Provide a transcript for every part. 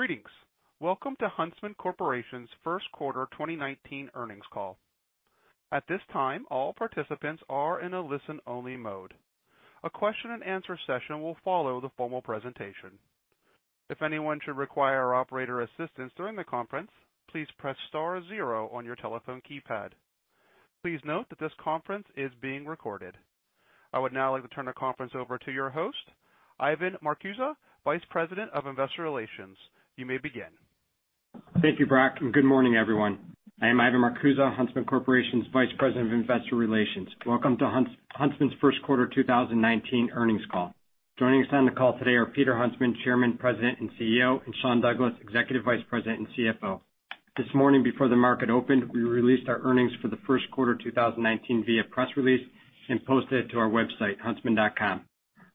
Greetings. Welcome to Huntsman Corporation's first quarter 2019 earnings call. At this time, all participants are in a listen-only mode. A question and answer session will follow the formal presentation. If anyone should require operator assistance during the conference, please press star zero on your telephone keypad. Please note that this conference is being recorded. I would now like to turn the conference over to your host, Ivan Marcuse, Vice President of Investor Relations. You may begin. Thank you, Brock. Good morning, everyone. I am Ivan Marcuse, Huntsman Corporation's Vice President of Investor Relations. Welcome to Huntsman's first quarter 2019 earnings call. Joining us on the call today are Peter Huntsman, Chairman, President, and CEO, Sean Douglas, Executive Vice President and CFO. This morning before the market opened, we released our earnings for the first quarter 2019 via press release and posted it to our website, huntsman.com.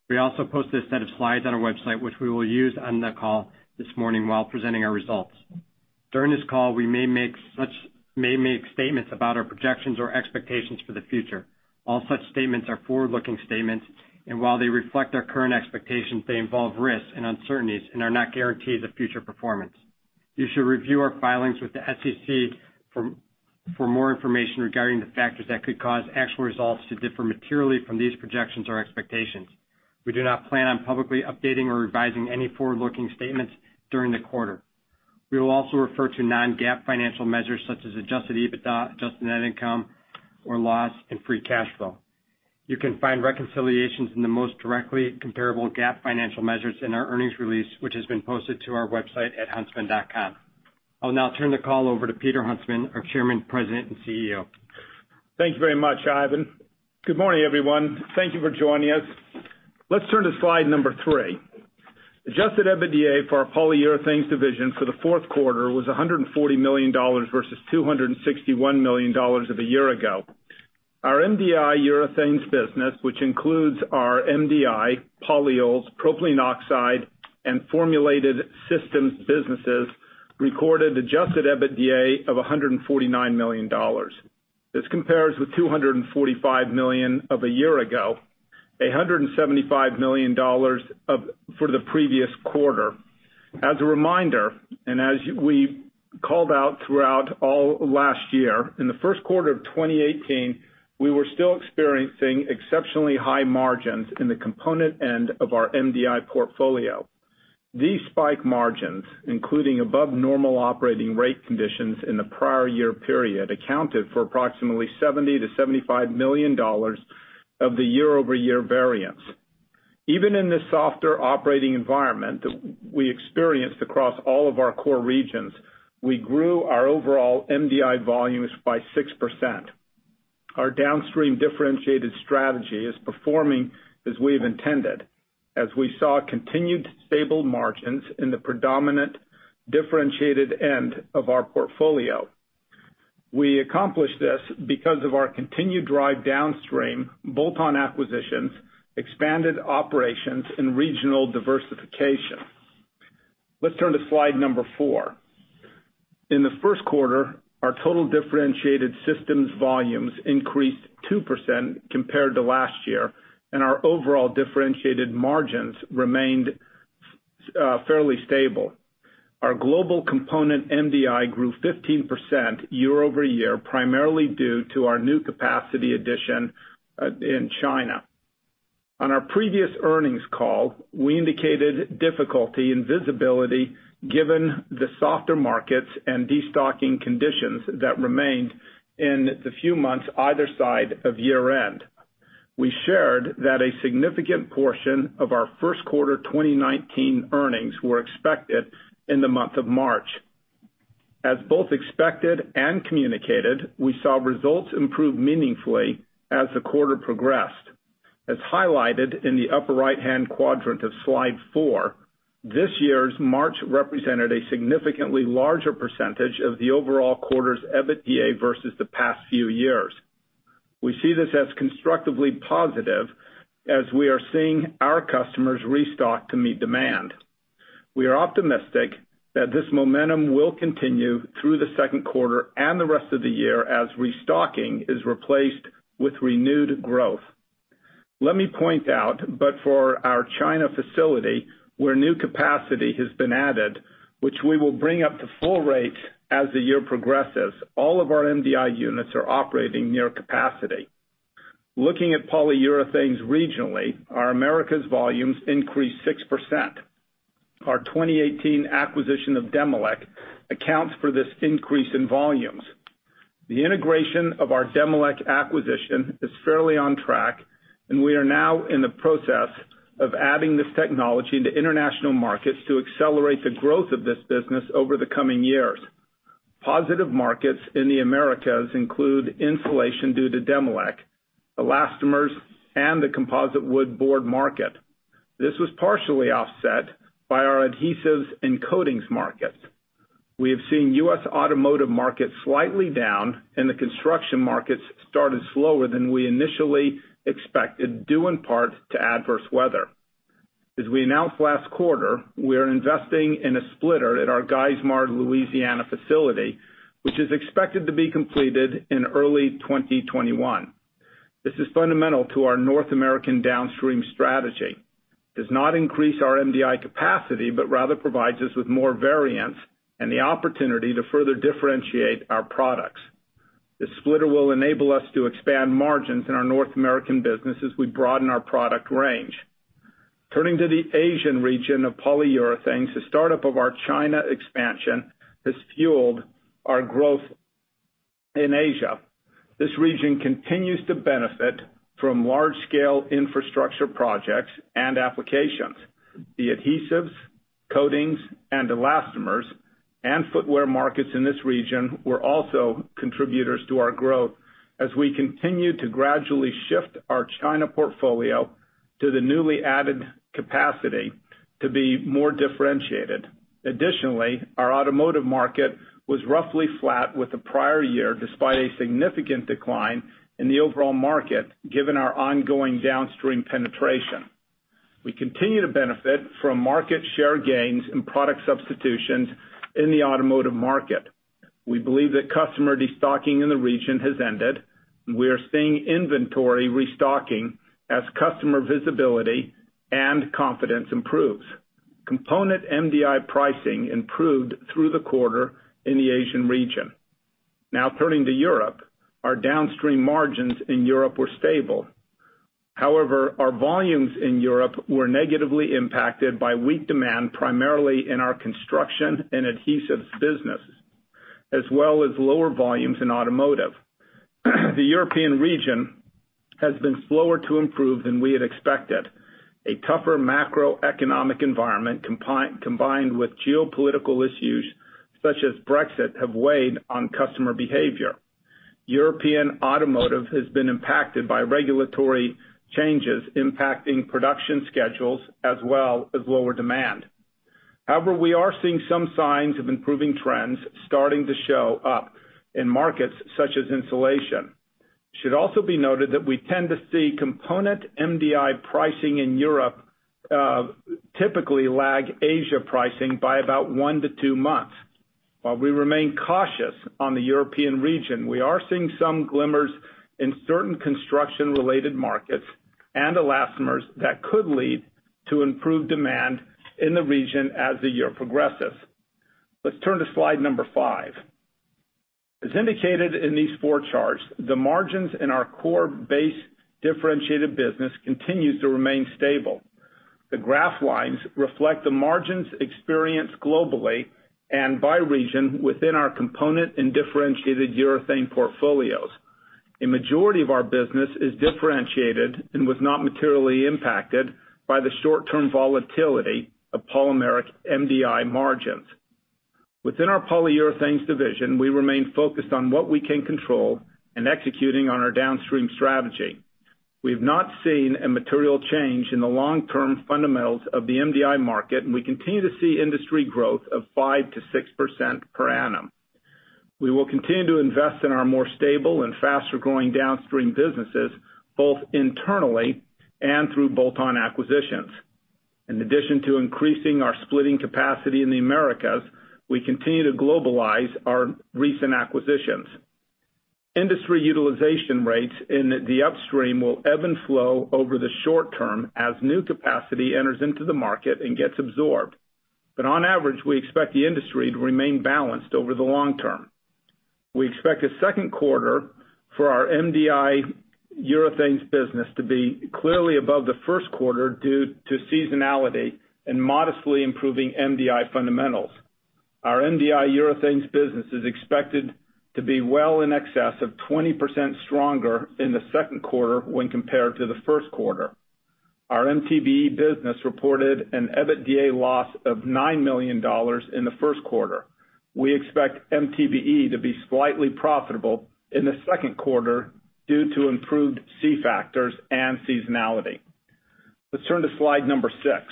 We also posted a set of slides on our website, which we will use on the call this morning while presenting our results. During this call, we may make statements about our projections or expectations for the future. All such statements are forward-looking statements, while they reflect our current expectations, they involve risks and uncertainties and are not guarantees of future performance. You should review our filings with the SEC for more information regarding the factors that could cause actual results to differ materially from these projections or expectations. We do not plan on publicly updating or revising any forward-looking statements during the quarter. We will also refer to non-GAAP financial measures such as adjusted EBITDA, adjusted net income or loss, and free cash flow. You can find reconciliations in the most directly comparable GAAP financial measures in our earnings release, which has been posted to our website at huntsman.com. I'll now turn the call over to Peter Huntsman, our Chairman, President, and CEO. Thank you very much, Ivan. Good morning, everyone. Thank you for joining us. Let's turn to slide number three. Adjusted EBITDA for our Polyurethanes division for the fourth quarter was $140 million versus $261 million of a year ago. Our MDI urethanes business, which includes our MDI polyols, propylene oxide, and formulated systems businesses, recorded adjusted EBITDA of $149 million. This compares with $245 million of a year ago, $175 million for the previous quarter. As a reminder, as we called out throughout all last year, in the first quarter of 2018, we were still experiencing exceptionally high margins in the component end of our MDI portfolio. These spike margins, including above normal operating rate conditions in the prior year period, accounted for approximately $70 million-$75 million of the year-over-year variance. Even in this softer operating environment that we experienced across all of our core regions, we grew our overall MDI volumes by 6%. Our downstream differentiated strategy is performing as we have intended, as we saw continued stable margins in the predominant differentiated end of our portfolio. We accomplished this because of our continued drive downstream, bolt-on acquisitions, expanded operations, and regional diversification. Let's turn to slide number four. In the first quarter, our total differentiated systems volumes increased 2% compared to last year, and our overall differentiated margins remained fairly stable. Our global component MDI grew 15% year-over-year, primarily due to our new capacity addition in China. On our previous earnings call, we indicated difficulty in visibility given the softer markets and destocking conditions that remained in the few months either side of year-end. We shared that a significant portion of our first quarter 2019 earnings were expected in the month of March. As both expected and communicated, we saw results improve meaningfully as the quarter progressed. As highlighted in the upper right-hand quadrant of slide four, this year's March represented a significantly larger percentage of the overall quarter's EBITDA versus the past few years. We see this as constructively positive as we are seeing our customers restock to meet demand. We are optimistic that this momentum will continue through the second quarter and the rest of the year as restocking is replaced with renewed growth. Let me point out, but for our China facility, where new capacity has been added, which we will bring up to full rate as the year progresses, all of our MDI units are operating near capacity. Looking at Polyurethanes regionally, our Americas volumes increased 6%. Our 2018 acquisition of Demilec accounts for this increase in volumes. The integration of our Demilec acquisition is fairly on track, and we are now in the process of adding this technology into international markets to accelerate the growth of this business over the coming years. Positive markets in the Americas include insulation due to Demilec, elastomers, and the composite wood board market. This was partially offset by our adhesives and coatings markets. We have seen U.S. automotive markets slightly down, and the construction markets started slower than we initially expected, due in part to adverse weather. As we announced last quarter, we are investing in a splitter at our Geismar, Louisiana facility, which is expected to be completed in early 2021. This is fundamental to our North American downstream strategy. Does not increase our MDI capacity, but rather provides us with more variants and the opportunity to further differentiate our products. The splitter will enable us to expand margins in our North American business as we broaden our product range. Turning to the Asian region of Polyurethanes, the startup of our China expansion has fueled our growth in Asia. This region continues to benefit from large-scale infrastructure projects and applications. The adhesives, coatings, and elastomers, and footwear markets in this region were also contributors to our growth as we continue to gradually shift our China portfolio to the newly added capacity to be more differentiated. Additionally, our automotive market was roughly flat with the prior year, despite a significant decline in the overall market, given our ongoing downstream penetration. We continue to benefit from market share gains and product substitutions in the automotive market. We believe that customer destocking in the region has ended. We are seeing inventory restocking as customer visibility and confidence improves. Component MDI pricing improved through the quarter in the Asian region. Turning to Europe. Our downstream margins in Europe were stable. Our volumes in Europe were negatively impacted by weak demand, primarily in our construction and adhesives businesses, as well as lower volumes in automotive. The European region has been slower to improve than we had expected. A tougher macroeconomic environment, combined with geopolitical issues such as Brexit, have weighed on customer behavior. European automotive has been impacted by regulatory changes impacting production schedules, as well as lower demand. We are seeing some signs of improving trends starting to show up in markets such as insulation. It should also be noted that we tend to see component MDI pricing in Europe, typically lag Asia pricing by about one to two months. While we remain cautious on the European region, we are seeing some glimmers in certain construction-related markets and elastomers that could lead to improved demand in the region as the year progresses. Let's turn to slide number five. As indicated in these four charts, the margins in our core base differentiated business continues to remain stable. The graph lines reflect the margins experienced globally and by region within our component and differentiated urethane portfolios. A majority of our business is differentiated and was not materially impacted by the short-term volatility of polymeric MDI margins. Within our Polyurethanes division, we remain focused on what we can control and executing on our downstream strategy. We have not seen a material change in the long-term fundamentals of the MDI market. We continue to see industry growth of 5%-6% per annum. We will continue to invest in our more stable and faster-growing downstream businesses, both internally and through bolt-on acquisitions. In addition to increasing our splitting capacity in the Americas, we continue to globalize our recent acquisitions. Industry utilization rates in the upstream will ebb and flow over the short term as new capacity enters into the market and gets absorbed. On average, we expect the industry to remain balanced over the long term. We expect a second quarter for our MDI urethanes business to be clearly above the first quarter due to seasonality and modestly improving MDI fundamentals. Our MDI urethanes business is expected to be well in excess of 20% stronger in the second quarter when compared to the first quarter. Our MTBE business reported an EBITDA loss of $9 million in the first quarter. We expect MTBE to be slightly profitable in the second quarter due to improved crack spreads and seasonality. Let's turn to slide number six.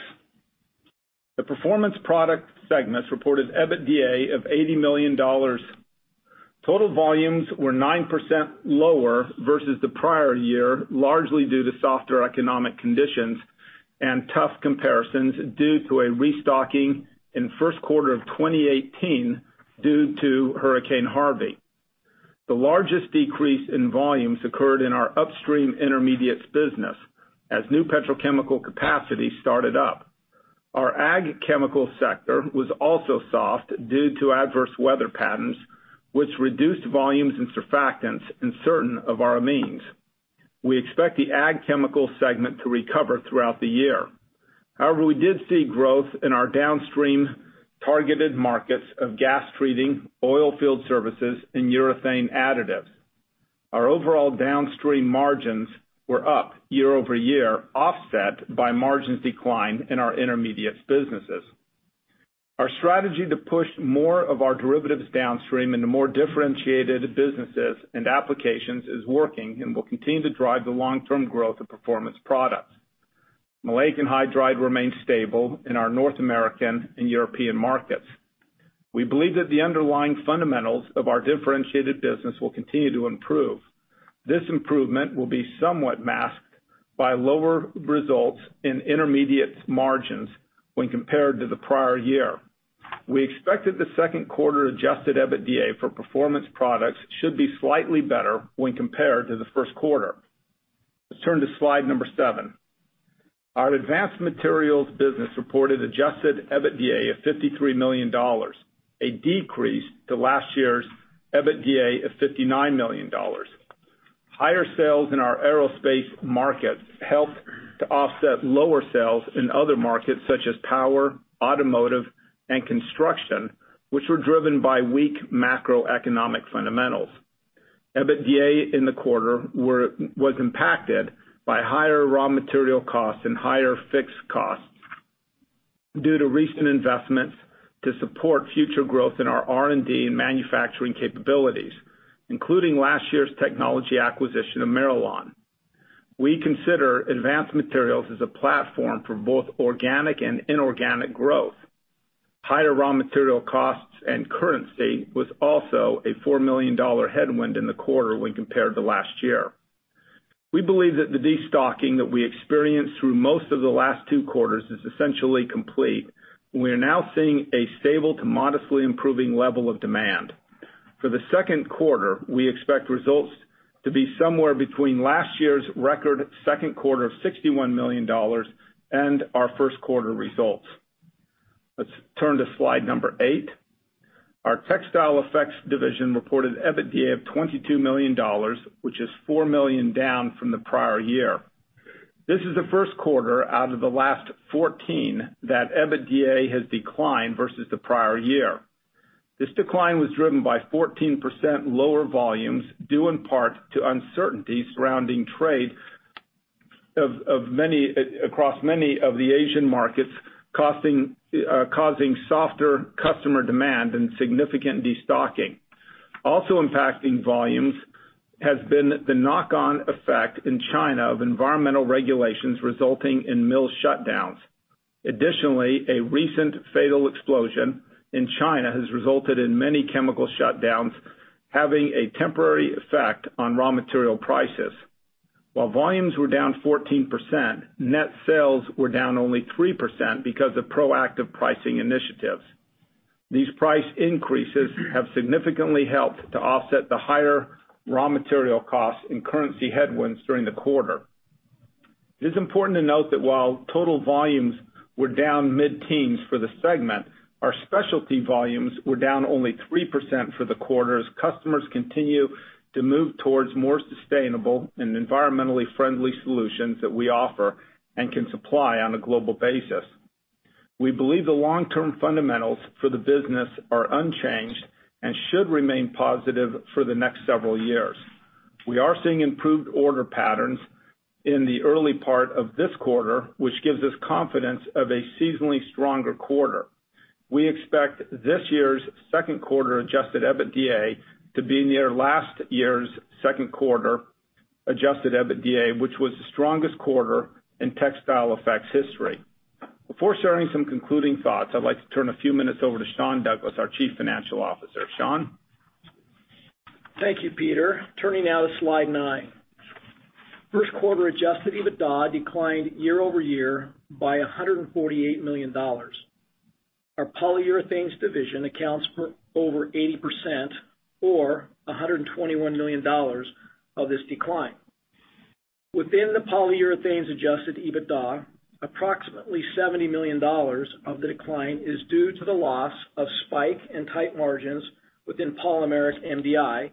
The Performance Products segment reported EBITDA of $80 million. Total volumes were 9% lower versus the prior year, largely due to softer economic conditions and tough comparisons due to a restocking in first quarter of 2018 due to Hurricane Harvey. The largest decrease in volumes occurred in our upstream intermediates business as new petrochemical capacity started up. Our ag chemical sector was also soft due to adverse weather patterns, which reduced volumes in surfactants and certain of our amines. We expect the ag chemical segment to recover throughout the year. However, we did see growth in our downstream targeted markets of gas treating, oil field services, and urethane additives. Our overall downstream margins were up year-over-year, offset by margins decline in our intermediates businesses. Our strategy to push more of our derivatives downstream into more differentiated businesses and applications is working and will continue to drive the long-term growth of Performance Products. Maleic anhydride remains stable in our North American and European markets. We believe that the underlying fundamentals of our differentiated business will continue to improve. This improvement will be somewhat masked by lower results in intermediates margins when compared to the prior year. We expect that the second quarter adjusted EBITDA for Performance Products should be slightly better when compared to the first quarter. Let's turn to slide number seven. Our Advanced Materials business reported adjusted EBITDA of $53 million, a decrease to last year's EBITDA of $59 million. Higher sales in our aerospace market helped to offset lower sales in other markets such as power, automotive, and construction, which were driven by weak macroeconomic fundamentals. EBITDA in the quarter was impacted by higher raw material costs and higher fixed costs due to recent investments to support future growth in our R&D and manufacturing capabilities, including last year's technology acquisition of Merlon. We consider Advanced Materials as a platform for both organic and inorganic growth. Higher raw material costs and currency was also a $4 million headwind in the quarter when compared to last year. We believe that the destocking that we experienced through most of the last two quarters is essentially complete. We are now seeing a stable to modestly improving level of demand. For the second quarter, we expect results to be somewhere between last year's record second quarter of $61 million and our first quarter results. Let's turn to slide number eight. Our Textile Effects division reported EBITDA of $22 million, which is $4 million down from the prior year. This is the first quarter out of the last 14 that EBITDA has declined versus the prior year. This decline was driven by 14% lower volumes, due in part to uncertainty surrounding trade across many of the Asian markets, causing softer customer demand and significant destocking. Also impacting volumes has been the knock-on effect in China of environmental regulations resulting in mill shutdowns. Additionally, a recent fatal explosion in China has resulted in many chemical shutdowns, having a temporary effect on raw material prices. While volumes were down 14%, net sales were down only 3% because of proactive pricing initiatives. These price increases have significantly helped to offset the higher raw material costs and currency headwinds during the quarter. It is important to note that while total volumes were down mid-teens for the segment, our specialty volumes were down only 3% for the quarter, as customers continue to move towards more sustainable and environmentally friendly solutions that we offer and can supply on a global basis. We believe the long-term fundamentals for the business are unchanged and should remain positive for the next several years. We are seeing improved order patterns in the early part of this quarter, which gives us confidence of a seasonally stronger quarter. We expect this year's second quarter adjusted EBITDA to be near last year's second quarter adjusted EBITDA, which was the strongest quarter in Textile Effects history. Before sharing some concluding thoughts, I'd like to turn a few minutes over to Sean Douglas, our Chief Financial Officer. Sean? Thank you, Peter. Turning now to slide nine. First quarter adjusted EBITDA declined year-over-year by $148 million. Our Polyurethanes division accounts for over 80%, or $121 million of this decline. Within the Polyurethanes adjusted EBITDA, approximately $70 million of the decline is due to the loss of spike and tight margins within polymeric MDI,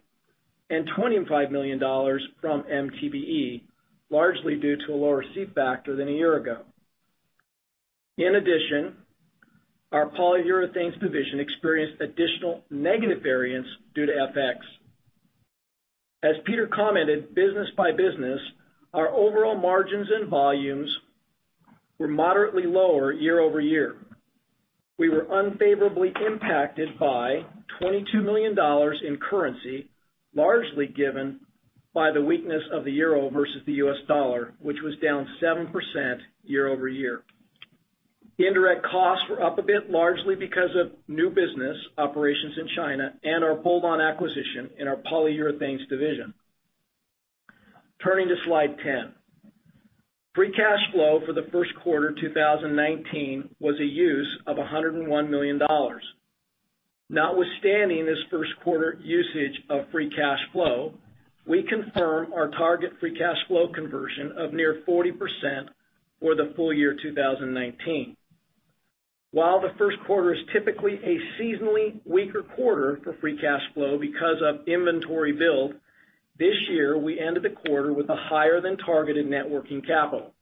and $25 million from MTBE, largely due to a lower c-factor than a year ago. In addition, our Polyurethanes division experienced additional negative variance due to FX. As Peter commented, business by business, our overall margins and volumes were moderately lower year-over-year. We were unfavorably impacted by $22 million in currency, largely given by the weakness of the Euro versus the US dollar, which was down 7% year-over-year. Indirect costs were up a bit, largely because of new business operations in China and our bolt-on acquisition in our Polyurethanes division. Turning to slide 10. Free cash flow for the first quarter 2019 was a use of $101 million. Notwithstanding this first quarter usage of free cash flow, we confirm our target free cash flow conversion of near 40% for the full year 2019. While the first quarter is typically a seasonally weaker quarter for free cash flow because of inventory build, this year, we ended the quarter with a higher than targeted net working capital.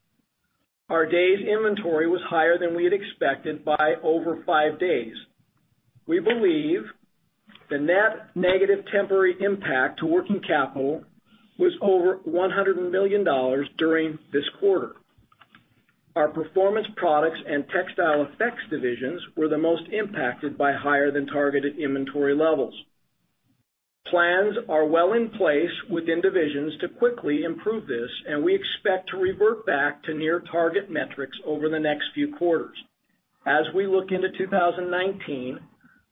Our days inventory was higher than we had expected by over five days. We believe the net negative temporary impact to working capital was over $100 million during this quarter. Our Performance Products and Textile Effects divisions were the most impacted by higher than targeted inventory levels. Plans are well in place within divisions to quickly improve this. We expect to revert back to near target metrics over the next few quarters. As we look into 2019,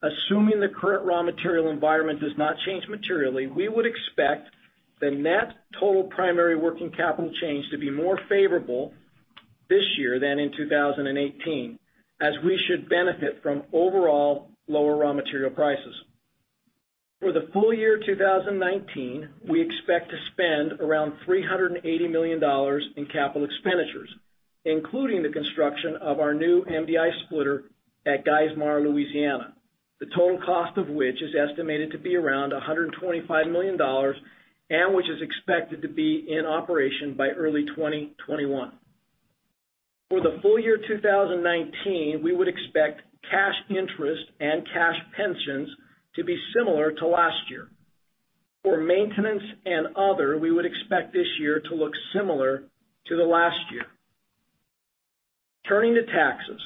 assuming the current raw material environment does not change materially, we would expect the net total primary working capital change to be more favorable this year than in 2018, as we should benefit from overall lower raw material prices. For the full year 2019, we expect to spend around $380 million in capital expenditures, including the construction of our new MDI splitter at Geismar, Louisiana. The total cost of which is estimated to be around $125 million and which is expected to be in operation by early 2021. For the full year 2019, we would expect cash interest and cash pensions to be similar to last year. For maintenance and other, we would expect this year to look similar to the last year. Turning to taxes.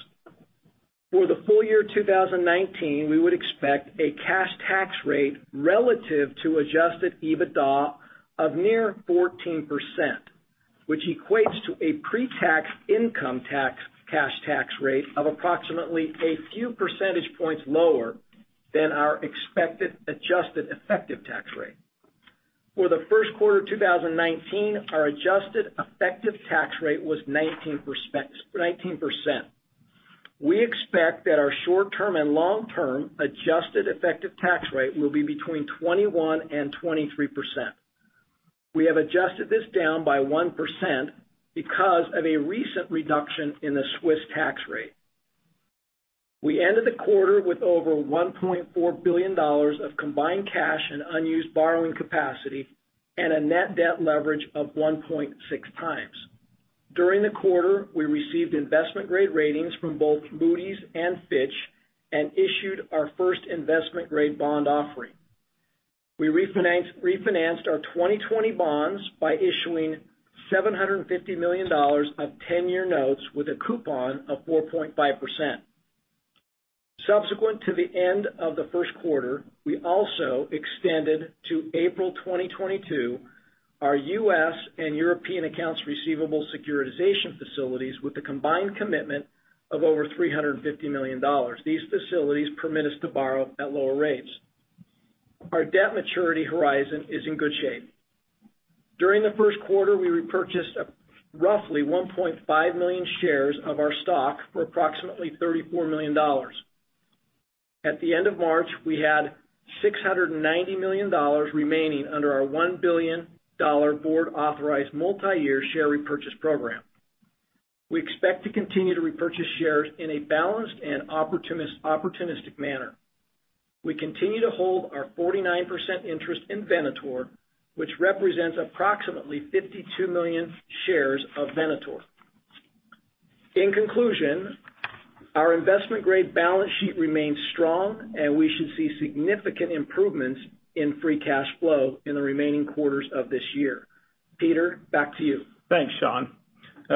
For the full year 2019, we would expect a cash tax rate relative to adjusted EBITDA of near 14%, which equates to a pre-tax income tax, cash tax rate of approximately a few percentage points lower than our expected adjusted effective tax rate. For the first quarter 2019, our adjusted effective tax rate was 19%. We expect that our short-term and long-term adjusted effective tax rate will be between 21% and 23%. We have adjusted this down by 1% because of a recent reduction in the Swiss tax rate. We ended the quarter with over $1.4 billion of combined cash and unused borrowing capacity and a net debt leverage of 1.6x. During the quarter, we received investment-grade ratings from both Moody's and Fitch and issued our first investment-grade bond offering. We refinanced our 2020 bonds by issuing $750 million of 10-year notes with a coupon of 4.5%. Subsequent to the end of the first quarter, we also extended to April 2022 our U.S. and European accounts receivable securitization facilities with a combined commitment of over $350 million. These facilities permit us to borrow at lower rates. Our debt maturity horizon is in good shape. During the first quarter, we repurchased roughly 1.5 million shares of our stock for approximately $34 million. At the end of March, we had $690 million remaining under our $1 billion board-authorized multi-year share repurchase program. We expect to continue to repurchase shares in a balanced and opportunistic manner. We continue to hold our 49% interest in Venator, which represents approximately 52 million shares of Venator. In conclusion, our investment-grade balance sheet remains strong. We should see significant improvements in free cash flow in the remaining quarters of this year. Peter, back to you. Thanks, Sean.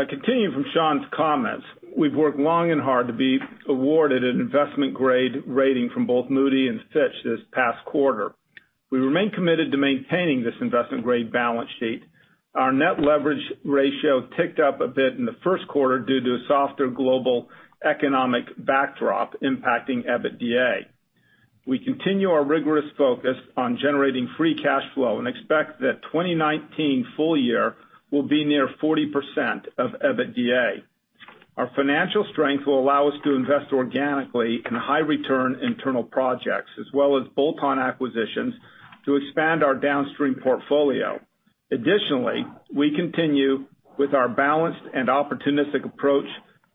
Continuing from Sean's comments, we've worked long and hard to be awarded an investment-grade rating from both Moody's and Fitch this past quarter. We remain committed to maintaining this investment-grade balance sheet. Our net leverage ratio ticked up a bit in the first quarter due to a softer global economic backdrop impacting EBITDA. We continue our rigorous focus on generating free cash flow and expect that 2019 full year will be near 40% of EBITDA. Our financial strength will allow us to invest organically in high-return internal projects as well as bolt-on acquisitions to expand our downstream portfolio. Additionally, we continue with our balanced and opportunistic approach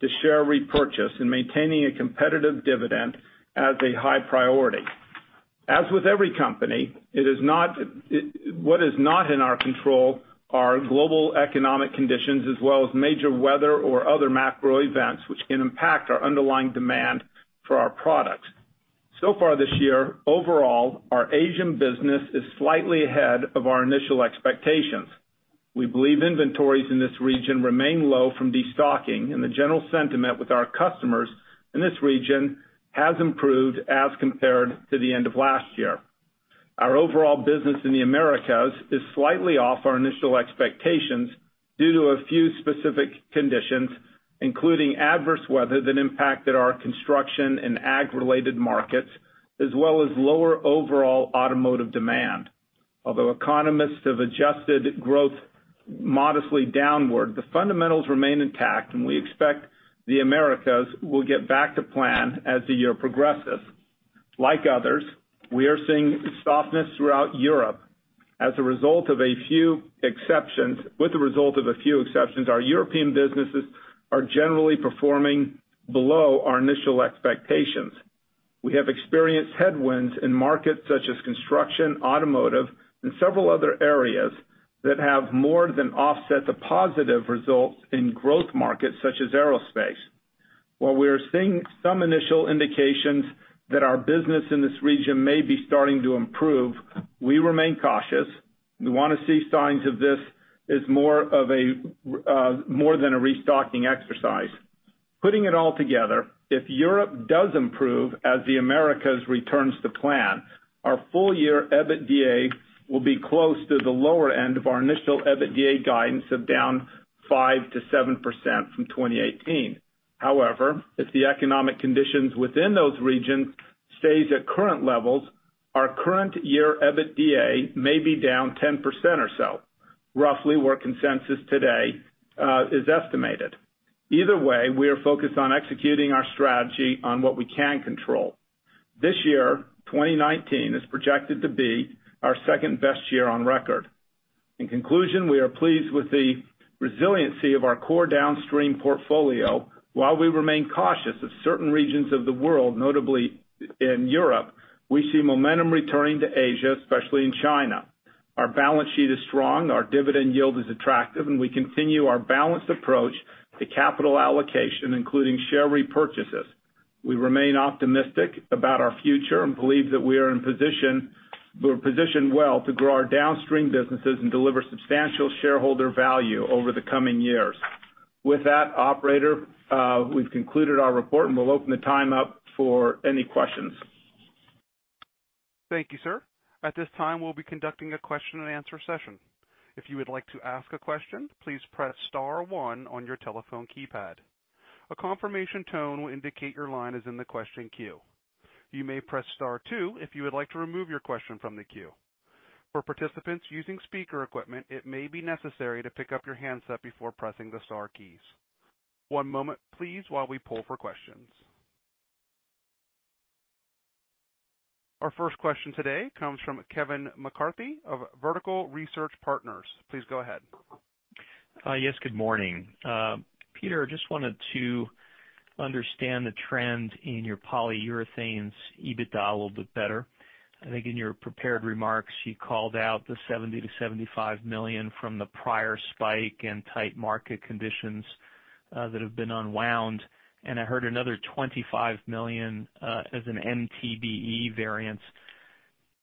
to share repurchase and maintaining a competitive dividend as a high priority. As with every company, what is not in our control are global economic conditions as well as major weather or other macro events which can impact our underlying demand for our products. So far this year, overall, our Asian business is slightly ahead of our initial expectations. We believe inventories in this region remain low from destocking, the general sentiment with our customers in this region has improved as compared to the end of last year. Our overall business in the Americas is slightly off our initial expectations due to a few specific conditions, including adverse weather that impacted our construction and ag-related markets, as well as lower overall automotive demand. Although economists have adjusted growth modestly downward, the fundamentals remain intact, we expect the Americas will get back to plan as the year progresses. Like others, we are seeing softness throughout Europe. With the result of a few exceptions, our European businesses are generally performing below our initial expectations. We have experienced headwinds in markets such as construction, automotive, and several other areas that have more than offset the positive results in growth markets such as aerospace. While we are seeing some initial indications that our business in this region may be starting to improve, we remain cautious. We want to see signs of this as more than a restocking exercise. Putting it all together, if Europe does improve as the Americas returns to plan, our full-year EBITDA will be close to the lower end of our initial EBITDA guidance of down 5%-7% from 2018. However, if the economic conditions within those regions stays at current levels, our current year EBITDA may be down 10% or so, roughly where consensus today is estimated. Either way, we are focused on executing our strategy on what we can control. This year, 2019, is projected to be our second-best year on record. In conclusion, we are pleased with the resiliency of our core downstream portfolio. While we remain cautious of certain regions of the world, notably in Europe, we see momentum returning to Asia, especially in China. Our balance sheet is strong, our dividend yield is attractive, we continue our balanced approach to capital allocation, including share repurchases. We remain optimistic about our future and believe that we are positioned well to grow our downstream businesses and deliver substantial shareholder value over the coming years. With that, operator, we've concluded our report, we'll open the time up for any questions. Thank you, sir. At this time, we'll be conducting a question and answer session. If you would like to ask a question, please press star one on your telephone keypad. A confirmation tone will indicate your line is in the question queue. You may press star two if you would like to remove your question from the queue. For participants using speaker equipment, it may be necessary to pick up your handset before pressing the star keys. One moment please while we pull for questions. Our first question today comes from Kevin McCarthy of Vertical Research Partners. Please go ahead. Yes, good morning. Peter, I just wanted to understand the trend in your Polyurethanes EBITDA a little bit better. I think in your prepared remarks, you called out the $70 million-$75 million from the prior spike in tight market conditions that have been unwound, and I heard another $25 million as an MTBE variance.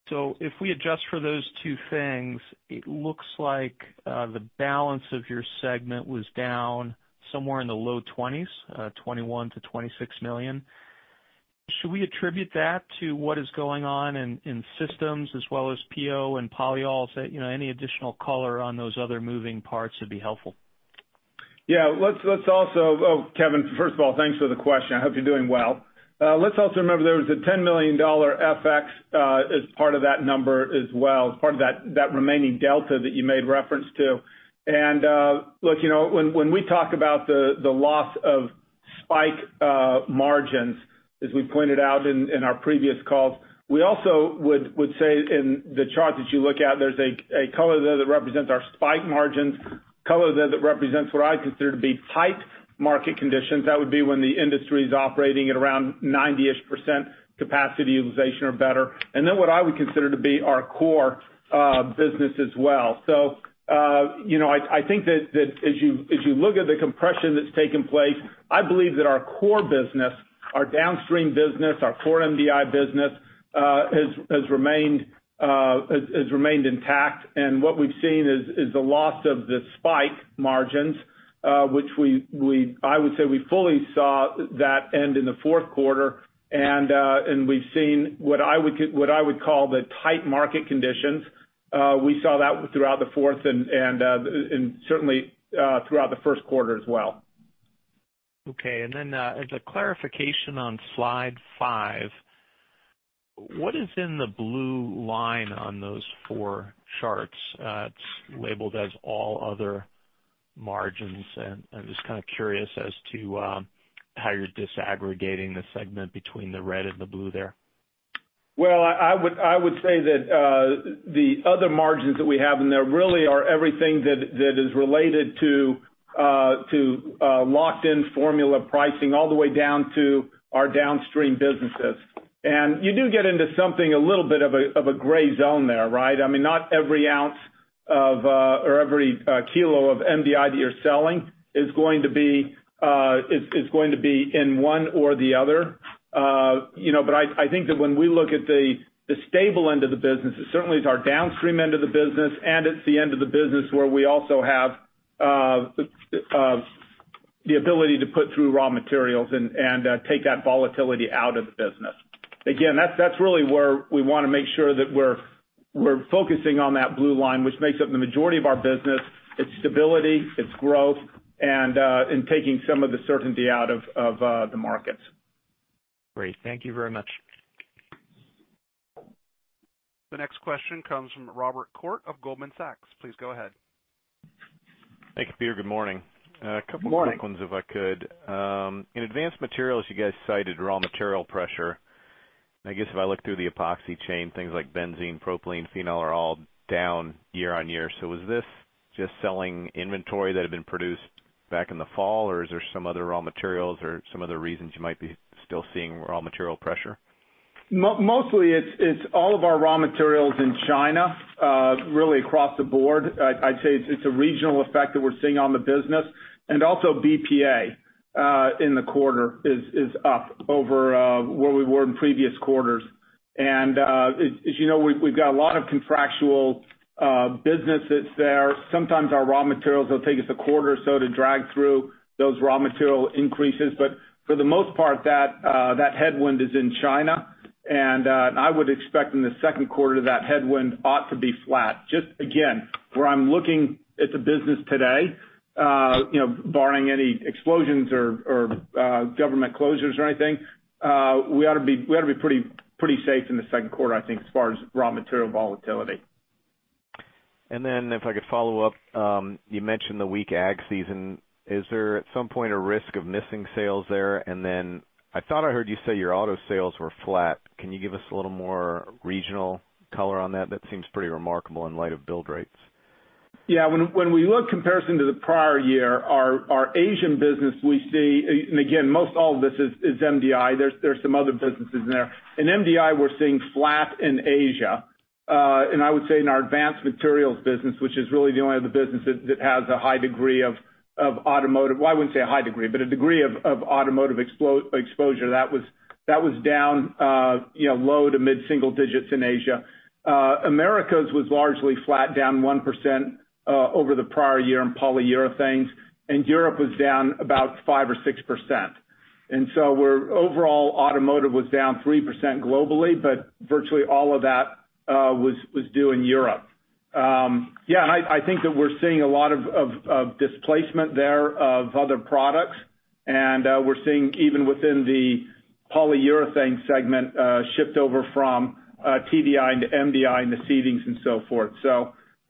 If we adjust for those two things, it looks like the balance of your segment was down somewhere in the low twenties, $21 million-$26 million. Should we attribute that to what is going on in systems as well as PO and polyols? Any additional color on those other moving parts would be helpful. Kevin, first of all, thanks for the question. I hope you're doing well. Let's also remember there was a $10 million FX as part of that number as well, as part of that remaining delta that you made reference to. Look, when we talk about the loss of spike margins, as we pointed out in our previous calls, we also would say in the chart that you look at, there's a color there that represents our spike margins, a color there that represents what I consider to be tight market conditions. That would be when the industry is operating at around 90%-ish capacity utilization or better. What I would consider to be our core business as well. I think that as you look at the compression that's taken place, I believe that our core business, our downstream business, our core MDI business has remained intact. What we've seen is the loss of the spike margins which I would say we fully saw that end in the fourth quarter. We've seen what I would call the tight market conditions. We saw that throughout the fourth and certainly throughout the first quarter as well. Okay. As a clarification on slide five, what is in the blue line on those four charts? It's labeled as all other margins. I'm just kind of curious as to how you're disaggregating the segment between the red and the blue there. Well, I would say that the other margins that we have in there really are everything that is related to locked-in formula pricing all the way down to our downstream businesses. You do get into something a little bit of a gray zone there. I mean, not every ounce of or every kilo of MDI that you're selling is going to be in one or the other. I think that when we look at the stable end of the business, it certainly is our downstream end of the business, and it's the end of the business where we also have the ability to put through raw materials and take that volatility out of the business. Again, that's really where we want to make sure that we're focusing on that blue line, which makes up the majority of our business. It's stability, it's growth, and taking some of the certainty out of the markets. Great. Thank you very much. The next question comes from Robert Koort of Goldman Sachs. Please go ahead. Thank you, Peter. Good morning. Good morning. A couple of quick ones if I could. In Advanced Materials, you guys cited raw material pressure, I guess if I look through the epoxy chain, things like benzene, propylene, phenol are all down year-over-year. Is this just selling inventory that had been produced back in the fall, or is there some other raw materials or some other reasons you might be still seeing raw material pressure? Mostly it's all of our raw materials in China really across the board. I'd say it's a regional effect that we're seeing on the business. Also BPA in the quarter is up over where we were in previous quarters. As you know, we've got a lot of contractual businesses there. Sometimes our raw materials will take us a quarter or so to drag through those raw material increases. For the most part, that headwind is in China, and I would expect in the second quarter that headwind ought to be flat. Just again, where I'm looking at the business today, barring any explosions or government closures or anything, we ought to be pretty safe in the second quarter, I think, as far as raw material volatility. If I could follow up, you mentioned the weak ag season. Is there at some point a risk of missing sales there? I thought I heard you say your auto sales were flat. Can you give us a little more regional color on that? That seems pretty remarkable in light of build rates. When we look comparison to the prior year, our Asian business, most all of this is MDI. There's some other businesses in there. In MDI, we're seeing flat in Asia. I would say in our Advanced Materials business, which is really the only other business that has a high degree of automotive. Well, I wouldn't say a high degree, but a degree of automotive exposure that was down low-to-mid single digits in Asia. Americas was largely flat, down 1% over the prior year in Polyurethanes, Europe was down about 5% or 6%. Overall automotive was down 3% globally, but virtually all of that was due in Europe. I think that we're seeing a lot of displacement there of other products, we're seeing even within the Polyurethanes segment, shift over from TDI into MDI, into sealants and so forth.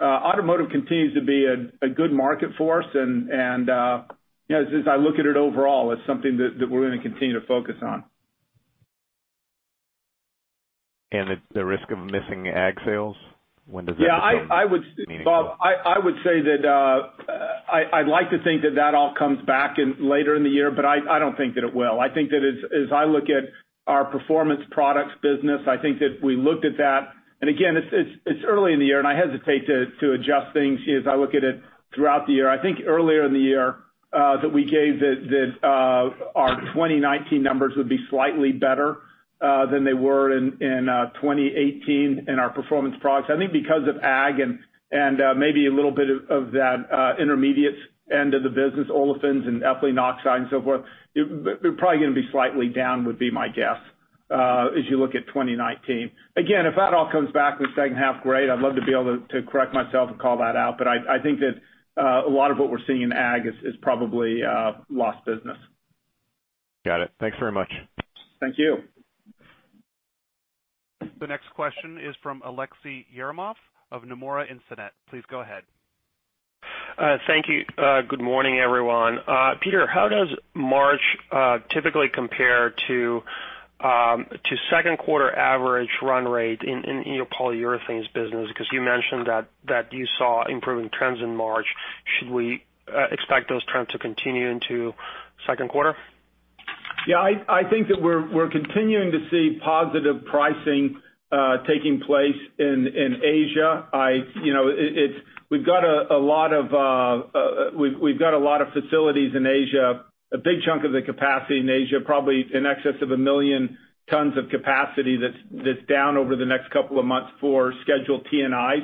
Automotive continues to be a good market for us and as I look at it overall, it's something that we're going to continue to focus on. The risk of missing ag sales, when does that become meaningful? Bob, I would say that I'd like to think that that all comes back in later in the year, but I don't think that it will. I think that as I look at our Performance Products business, I think that we looked at that, and again, it's early in the year and I hesitate to adjust things as I look at it throughout the year. I think earlier in the year, that we gave that our 2019 numbers would be slightly better than they were in 2018 in our Performance Products. I think because of ag and maybe a little bit of that intermediate end of the business, olefins and ethylene oxide and so forth. They're probably going to be slightly down, would be my guess, as you look at 2019. Again, if that all comes back in the second half, great. I'd love to be able to correct myself and call that out. I think that a lot of what we're seeing in ag is probably lost business. Got it. Thanks very much. Thank you. The next question is from Aleksey Yefremov of Nomura Instinet. Please go ahead. Thank you. Good morning, everyone. Peter, how does March typically compare to second quarter average run rate in your Polyurethanes business? You mentioned that you saw improving trends in March. Should we expect those trends to continue into second quarter? Yeah, I think that we're continuing to see positive pricing taking place in Asia. We've got a lot of facilities in Asia, a big chunk of the capacity in Asia, probably in excess of 1 million tons of capacity that's down over the next couple of months for scheduled T&Is,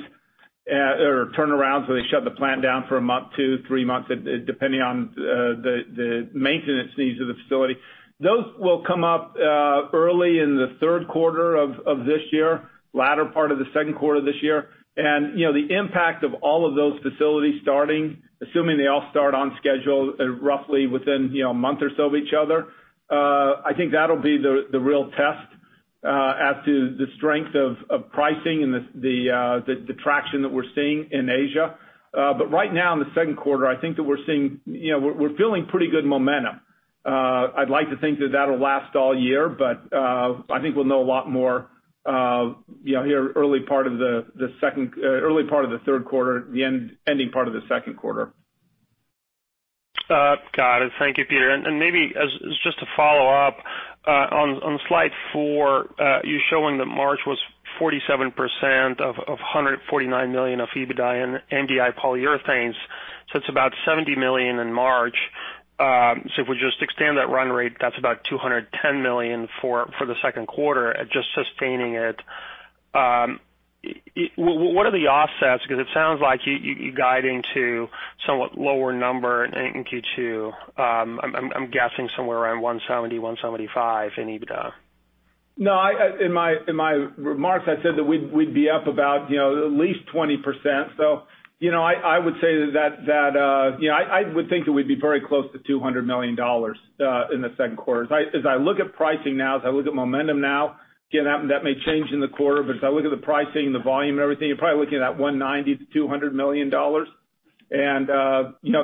or turnaround, so they shut the plant down for a month, two, three months, depending on the maintenance needs of the facility. Those will come up early in the third quarter of this year, latter part of the second quarter this year. The impact of all of those facilities starting, assuming they all start on schedule roughly within a month or so of each other, I think that'll be the real test as to the strength of pricing and the traction that we're seeing in Asia. Right now in the second quarter, I think that we're feeling pretty good momentum. I'd like to think that that'll last all year, but, I think we'll know a lot more here early part of the third quarter, the ending part of the second quarter. Got it. Thank you, Peter. Maybe as just a follow-up, on slide four, you're showing that March was 47% of $149 million of EBITDA in MDI Polyurethanes. It's about $70 million in March. If we just extend that run rate, that's about $210 million for the second quarter at just sustaining it. What are the offsets? Because it sounds like you're guiding to somewhat lower number in Q2. I'm guessing somewhere around $170 million-$175 million in EBITDA. No, in my remarks, I said that we'd be up about at least 20%. I would think that we'd be very close to $200 million in the second quarter. As I look at pricing now, as I look at momentum now, again, that may change in the quarter, as I look at the pricing, the volume and everything, you're probably looking at $190 million-$200 million. If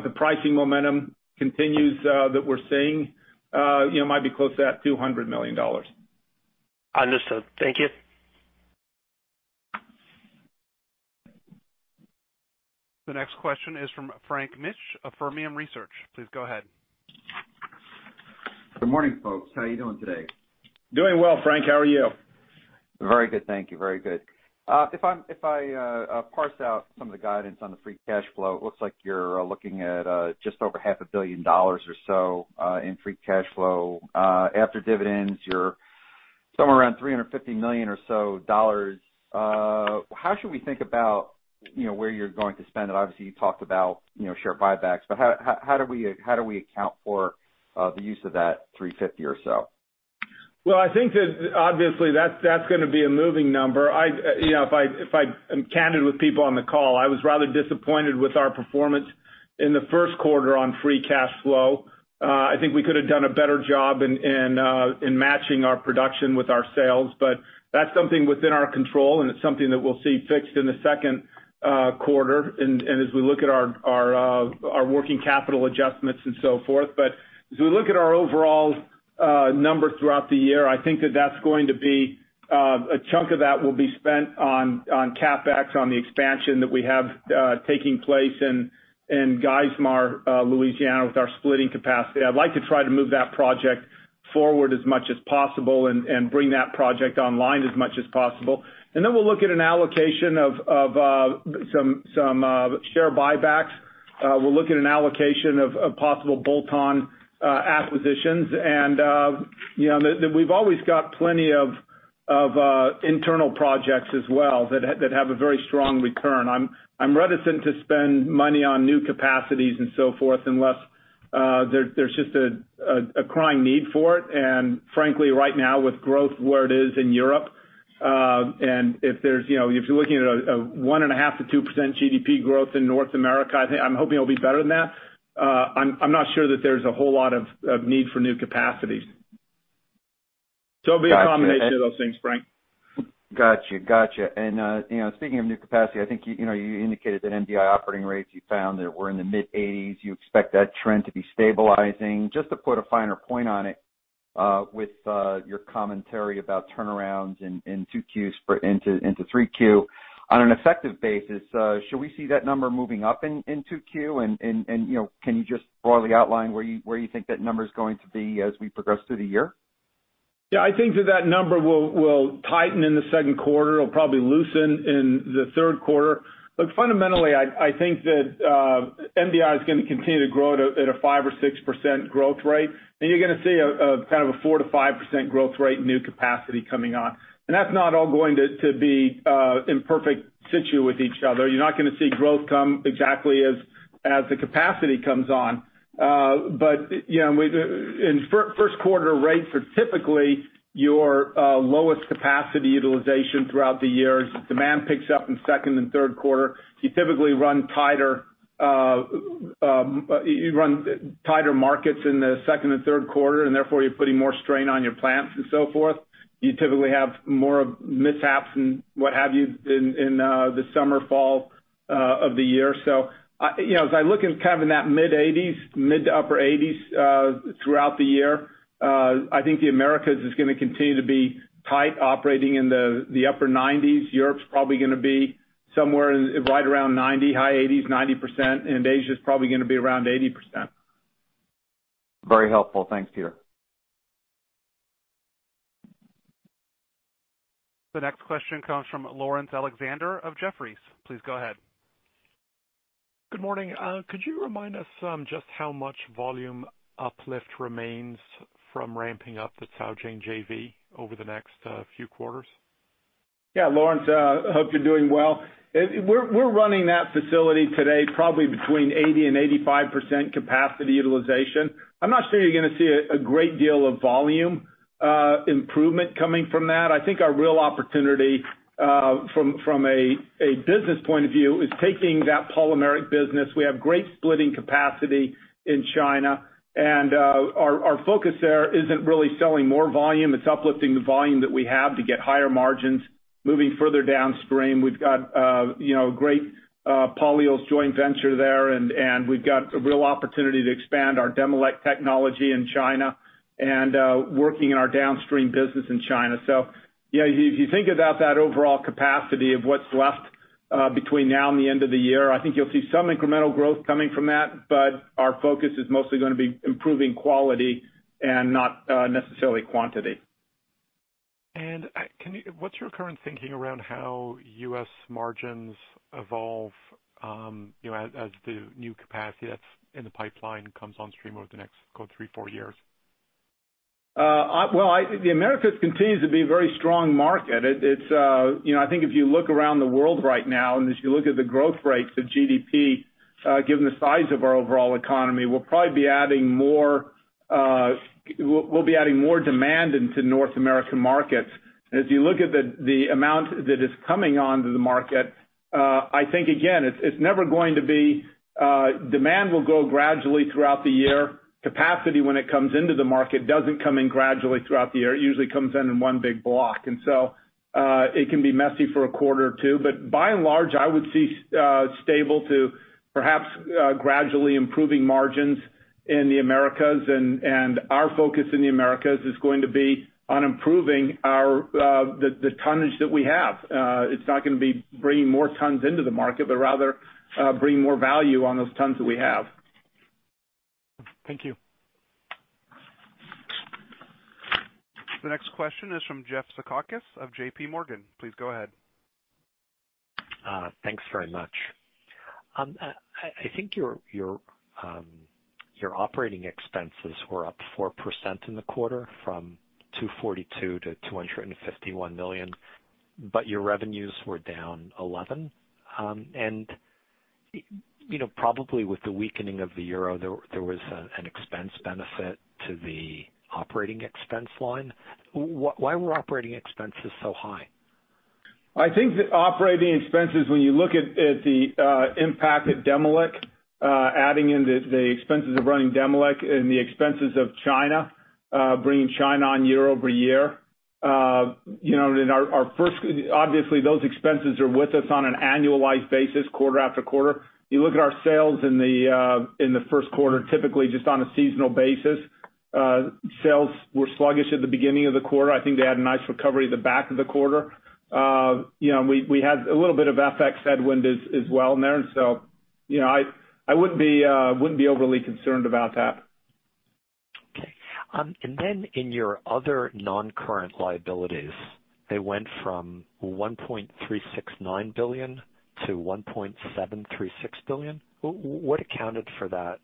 the pricing momentum continues that we're seeing, it might be close to that $200 million. Understood. Thank you. The next question is from Frank Mitsch of Fermium Research. Please go ahead. Good morning, folks. How are you doing today? Doing well, Frank. How are you? Very good, thank you. Very good. If I parse out some of the guidance on the free cash flow, it looks like you are looking at just over $500 million or so in free cash flow. After dividends, you are somewhere around $350 million or so. How should we think about where you are going to spend it? Obviously, you talked about share buybacks, but how do we account for the use of that $350 or so? Well, I think that obviously that is going to be a moving number. If I am candid with people on the call, I was rather disappointed with our performance in the first quarter on free cash flow. I think we could have done a better job in matching our production with our sales. That is something within our control, and it is something that we will see fixed in the second quarter and as we look at our working capital adjustments and so forth. As we look at our overall numbers throughout the year, I think that a chunk of that will be spent on CapEx on the expansion that we have taking place in Geismar, Louisiana, with our splitting capacity. I would like to try to move that project forward as much as possible and bring that project online as much as possible. We'll look at an allocation of some share buybacks. We'll look at an allocation of possible bolt-on acquisitions. We've always got plenty of internal projects as well that have a very strong return. I'm reticent to spend money on new capacities and so forth, unless there's just a crying need for it. Frankly, right now, with growth where it is in Europe, if you're looking at a 1.5%-2% GDP growth in North America, I'm hoping it'll be better than that. I'm not sure that there's a whole lot of need for new capacity. It'll be a combination of those things, Frank. Got you. Speaking of new capacity, I think you indicated that MDI operating rates you found that were in the mid-80s. You expect that trend to be stabilizing. Just to put a finer point on it, with your commentary about turnarounds in 2Q into 3Q, on an effective basis, should we see that number moving up in 2Q, and can you just broadly outline where you think that number's going to be as we progress through the year? Yeah, I think that that number will tighten in the second quarter. It'll probably loosen in the third quarter. Look, fundamentally, I think that MDI is going to continue to grow at a 5% or 6% growth rate. You're going to see a kind of a 4%-5% growth rate in new capacity coming on. That's not all going to be in perfect situ with each other. You're not going to see growth come exactly as the capacity comes on. First quarter rates are typically your lowest capacity utilization throughout the year. As demand picks up in second and third quarter, you typically run tighter markets in the second and third quarter, and therefore you're putting more strain on your plants and so forth. You typically have more mishaps and what have you in the summer, fall of the year. As I look in kind of in that mid-80s, mid to upper 80s throughout the year, I think the Americas is going to continue to be tight operating in the upper 90s. Europe's probably going to be somewhere right around 90, high 80s, 90%, and Asia's probably going to be around 80%. Very helpful. Thanks, Peter. The next question comes from Laurence Alexander of Jefferies. Please go ahead. Good morning. Could you remind us just how much volume uplift remains from ramping up the Caojing JV over the next few quarters? Yeah, Laurence, hope you're doing well. We're running that facility today probably between 80%-85% capacity utilization. I'm not sure you're going to see a great deal of volume improvement coming from that. I think our real opportunity from a business point of view is taking that polymeric business. We have great splitting capacity in China, and our focus there isn't really selling more volume. It's uplifting the volume that we have to get higher margins. Moving further downstream, we've got a great polyols joint venture there, and we've got a real opportunity to expand our Demilec technology in China and working in our downstream business in China. if you think about that overall capacity of what's left between now and the end of the year, I think you'll see some incremental growth coming from that, but our focus is mostly going to be improving quality and not necessarily quantity. What's your current thinking around how U.S. margins evolve as the new capacity that's in the pipeline comes on stream over the next, call it, three, four years? Well, the Americas continues to be a very strong market. I think if you look around the world right now, and as you look at the growth rates of GDP, given the size of our overall economy, we'll be adding more demand into North American markets. As you look at the amount that is coming onto the market, I think again, demand will grow gradually throughout the year. Capacity when it comes into the market doesn't come in gradually throughout the year. It usually comes in in one big block. It can be messy for a quarter or two. By and large, I would see stable to perhaps gradually improving margins in the Americas, and our focus in the Americas is going to be on improving the tonnage that we have. It's not going to be bringing more tons into the market, but rather bringing more value on those tons that we have. Thank you. The next question is from Jeffrey Zekauskas of JPMorgan. Please go ahead. Thanks very much. I think your operating expenses were up 4% in the quarter from $242 million-$251 million, but your revenues were down 11%. Probably with the weakening of the euro, there was an expense benefit to the operating expense line. Why were operating expenses so high? I think that operating expenses, when you look at the impact at Demilec, adding in the expenses of running Demilec and the expenses of China, bringing China on year-over-year. Obviously, those expenses are with us on an annualized basis, quarter-over-quarter. You look at our sales in the first quarter, typically just on a seasonal basis, sales were sluggish at the beginning of the quarter. I think they had a nice recovery at the back of the quarter. We had a little bit of FX headwind as well in there. I wouldn't be overly concerned about that. Okay. In your other non-current liabilities, they went from $1.369 billion to $1.736 billion. What accounted for that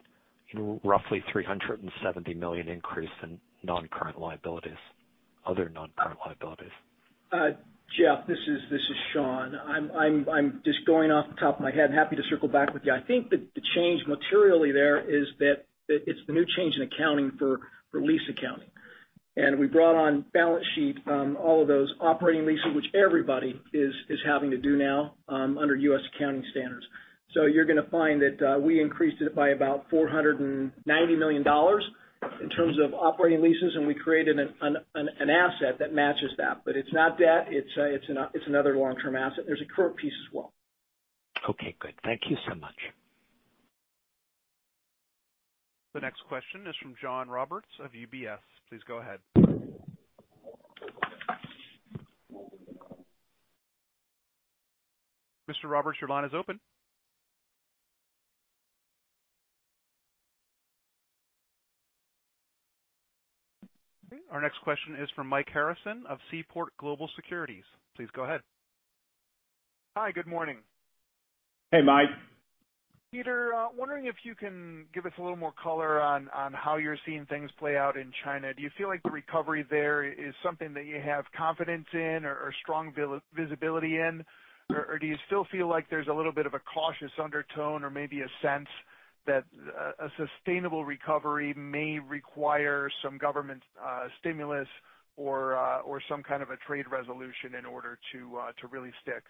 roughly $370 million increase in non-current liabilities, other non-current liabilities? Jeff, this is Sean. I'm just going off the top of my head. Happy to circle back with you. I think that the change materially there is that it's the new change in accounting for lease accounting. We brought on balance sheet, all of those operating leases, which everybody is having to do now under U.S. accounting standards. You're going to find that we increased it by about $490 million in terms of operating leases, and we created an asset that matches that. It's not debt. It's another long-term asset. There's a current piece as well. Okay, good. Thank you so much. The next question is from John Roberts of UBS. Please go ahead. Mr. Roberts, your line is open. Our next question is from Mike Harrison of Seaport Global Securities. Please go ahead. Hi, good morning. Hey, Mike. Peter, wondering if you can give us a little more color on how you're seeing things play out in China. Do you still feel like there's a little bit of a cautious undertone or maybe a sense that a sustainable recovery may require some government stimulus or some kind of a trade resolution in order to really stick?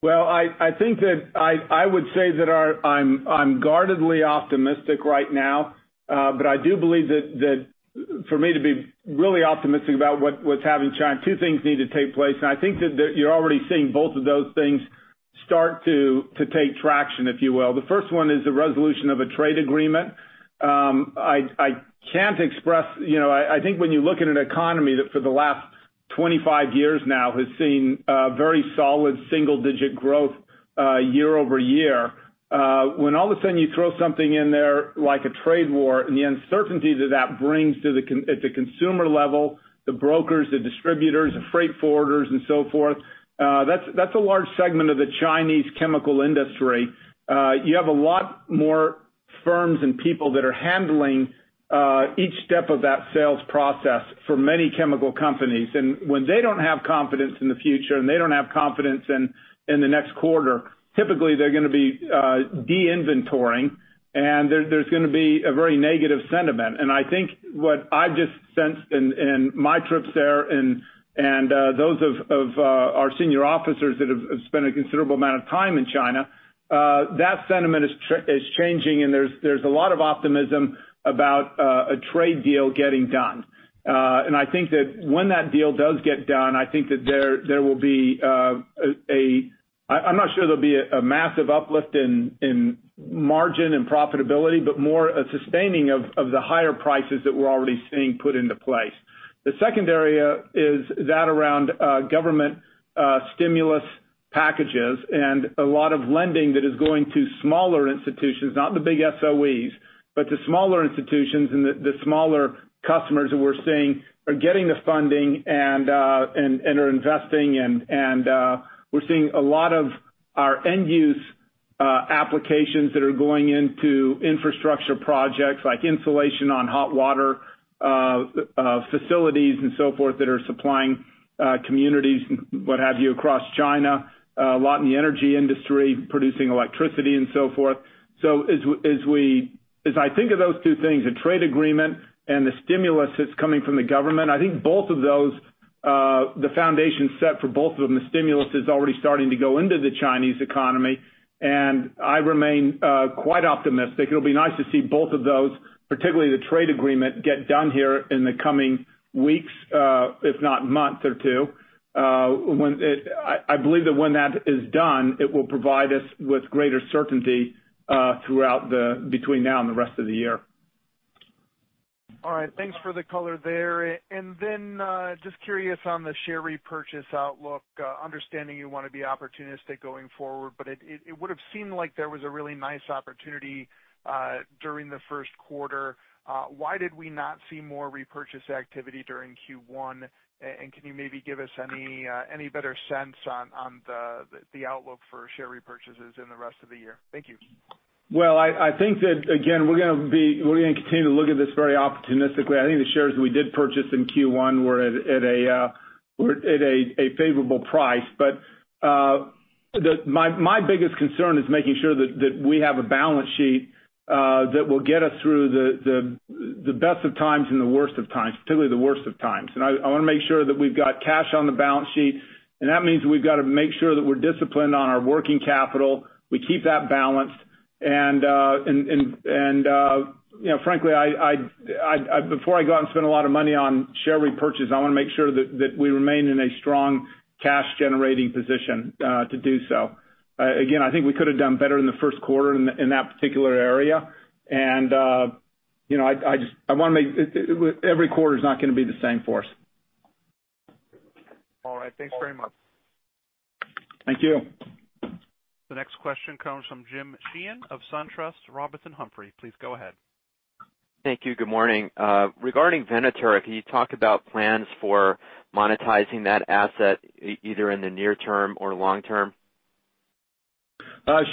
Well, I think that I would say that I'm guardedly optimistic right now, but I do believe that for me to be really optimistic about what's happening in China, two things need to take place, and I think that you're already seeing both of those things start to take traction, if you will. The first one is the resolution of a trade agreement. I think when you look at an economy that for the last 25 years now has seen very solid single-digit growth year-over-year, when all of a sudden you throw something in there like a trade war and the uncertainty that that brings at the consumer level, the brokers, the distributors, the freight forwarders, and so forth, that's a large segment of the Chinese chemical industry. When they don't have confidence in the future and they don't have confidence in the next quarter, typically they're going to be de-inventoring, and there's going to be a very negative sentiment. I think what I've just sensed in my trips there and those of our Senior Officers that have spent a considerable amount of time in China, that sentiment is changing and there's a lot of optimism about a trade deal getting done. I think that when that deal does get done, I think that there will be I'm not sure there'll be a massive uplift in margin and profitability, but more a sustaining of the higher prices that we're already seeing put into place. The second area is that around government stimulus packages and a lot of lending that is going to smaller institutions, not the big SOEs, but to smaller institutions and the smaller customers who we're seeing are getting the funding and are investing. We're seeing a lot of our end-use applications that are going into infrastructure projects like insulation on hot water facilities and so forth that are supplying communities and what have you across China. A lot in the energy industry, producing electricity and so forth. As I think of those two things, the trade agreement and the stimulus that's coming from the government, I think both of those, the foundation is set for both of them. The stimulus is already starting to go into the Chinese economy, and I remain quite optimistic. It'll be nice to see both of those, particularly the trade agreement, get done here in the coming weeks, if not month or two. I believe that when that is done, it will provide us with greater certainty between now and the rest of the year. All right. Thanks for the color there. Just curious on the share repurchase outlook, understanding you want to be opportunistic going forward, but it would have seemed like there was a really nice opportunity during the first quarter. Why did we not see more repurchase activity during Q1? Can you maybe give us any better sense on the outlook for share repurchases in the rest of the year? Thank you. Well, I think that, again, we're gonna continue to look at this very opportunistically. I think the shares we did purchase in Q1 were at a favorable price. My biggest concern is making sure that we have a balance sheet that will get us through the best of times and the worst of times, particularly the worst of times. I want to make sure that we've got cash on the balance sheet, and that, I mean, we've got to make sure that we're disciplined on our working capital, we keep that balanced. Frankly, before I go out and spend a lot of money on share repurchase, I want to make sure that we remain in a strong cash-generating position to do so. Again, I think we could have done better in the first quarter in that particular area. Every quarter is not going to be the same for us. All right. Thanks very much. Thank you. The next question comes from Jim Sheehan of SunTrust Robinson Humphrey. Please go ahead. Thank you. Good morning. Regarding Venator, can you talk about plans for monetizing that asset either in the near term or long term?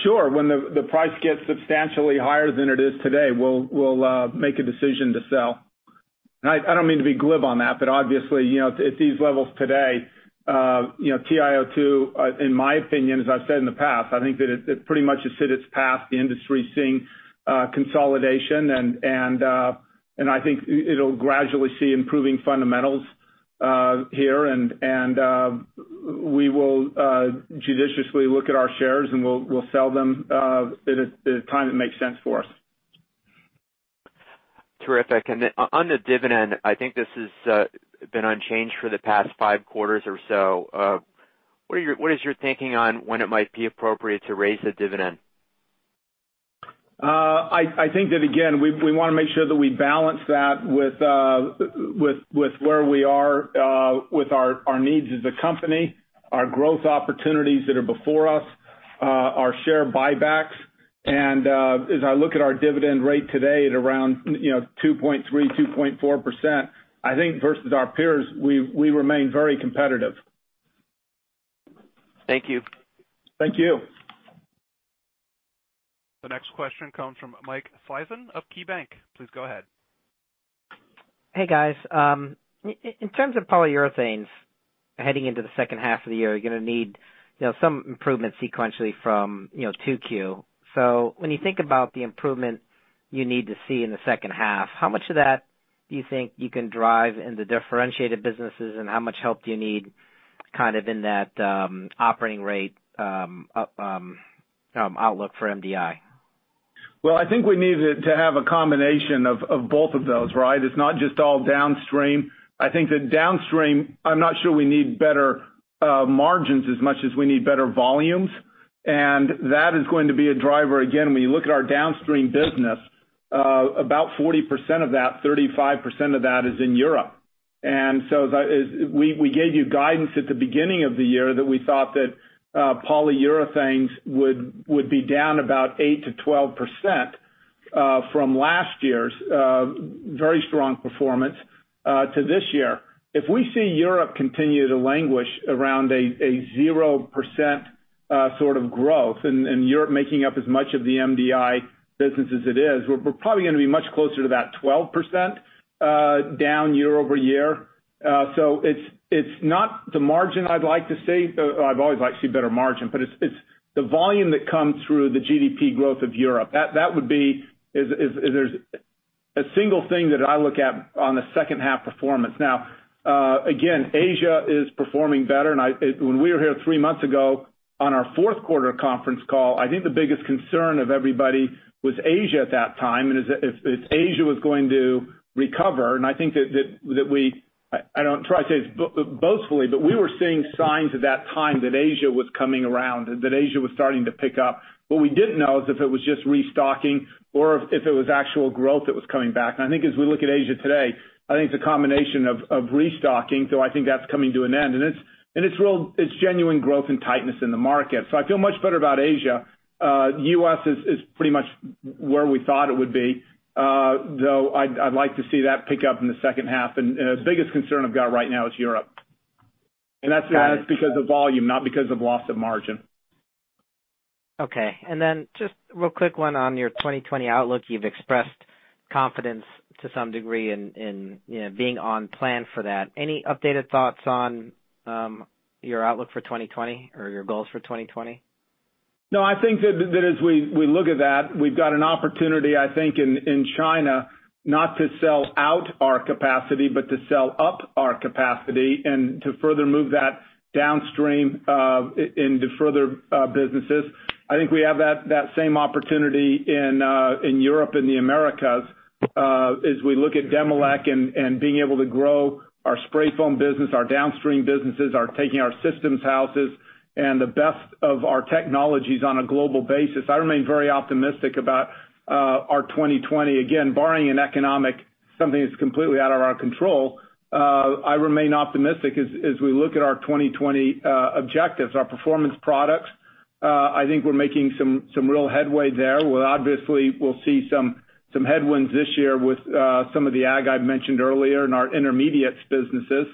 Sure. When the price gets substantially higher than it is today, we'll make a decision to sell. I don't mean to be glib on that, obviously, at these levels today, TIO2, in my opinion, as I've said in the past, I think that it pretty much has hit its path. The industry is seeing consolidation, I think it'll gradually see improving fundamentals here. We will judiciously look at our shares, and we'll sell them at a time that makes sense for us. Terrific. Then on the dividend, I think this has been unchanged for the past five quarters or so. What is your thinking on when it might be appropriate to raise the dividend? I think that, again, we want to make sure that we balance that with where we are with our needs as a company, our growth opportunities that are before us, our share buybacks. As I look at our dividend rate today at around 2.3%, 2.4%, I think versus our peers, we remain very competitive. Thank you. Thank you. The next question comes from Mike Sison of KeyBanc. Please go ahead. Hey, guys. In terms of Polyurethanes heading into the H2 of the year, you're going to need some improvement sequentially from 2Q. When you think about the improvement you need to see in the second half, how much of that do you think you can drive in the differentiated businesses, and how much help do you need kind of in that operating rate outlook for MDI? Well, I think we need to have a combination of both of those, right? It's not just all downstream. I think that downstream, I'm not sure we need better margins as much as we need better volumes, and that is going to be a driver. Again, when you look at our downstream business, about 40%, 35% of that is in Europe. We gave you guidance at the beginning of the year that we thought that Polyurethanes would be down about 8%-12% from last year's very strong performance to this year. If we see Europe continue to languish around a 0% sort of growth, and Europe making up as much of the MDI business as it is, we're probably going to be much closer to that 12% down year-over-year. It's not the margin I'd like to see, though I'd always like to see better margin, but it's the volume that comes through the GDP growth of Europe. That would be a single thing that I look at on the second half performance. Now, again, Asia is performing better. When we were here three months ago on our fourth quarter conference call, I think the biggest concern of everybody was Asia at that time, and if Asia was going to recover. I think that I don't try to say this boastfully, but we were seeing signs at that time that Asia was coming around, that Asia was starting to pick up. What we didn't know is if it was just restocking or if it was actual growth that was coming back. I think as we look at Asia today, I think it's a combination of restocking. I think that's coming to an end. It's genuine growth and tightness in the market. I feel much better about Asia. U.S. is pretty much where we thought it would be, though I'd like to see that pick up in the second half. The biggest concern I've got right now is Europe. That's because of volume, not because of loss of margin. Okay. Just real quick one on your 2020 outlook. You've expressed confidence to some degree in being on plan for that. Any updated thoughts on your outlook for 2020 or your goals for 2020? No, I think that as we look at that, we've got an opportunity, I think, in China, not to sell out our capacity, but to sell up our capacity and to further move that downstream into further businesses. I think we have that same opportunity in Europe and the Americas. As we look at Demilec and being able to grow our spray foam business, our downstream businesses are taking our systems houses and the best of our technologies on a global basis. I remain very optimistic about our 2020. Again, barring an economic, something that's completely out of our control, I remain optimistic as we look at our 2020 objectives. Our Performance Products, I think we're making some real headway there, where obviously we'll see some headwinds this year with some of the ag I mentioned earlier in our intermediates businesses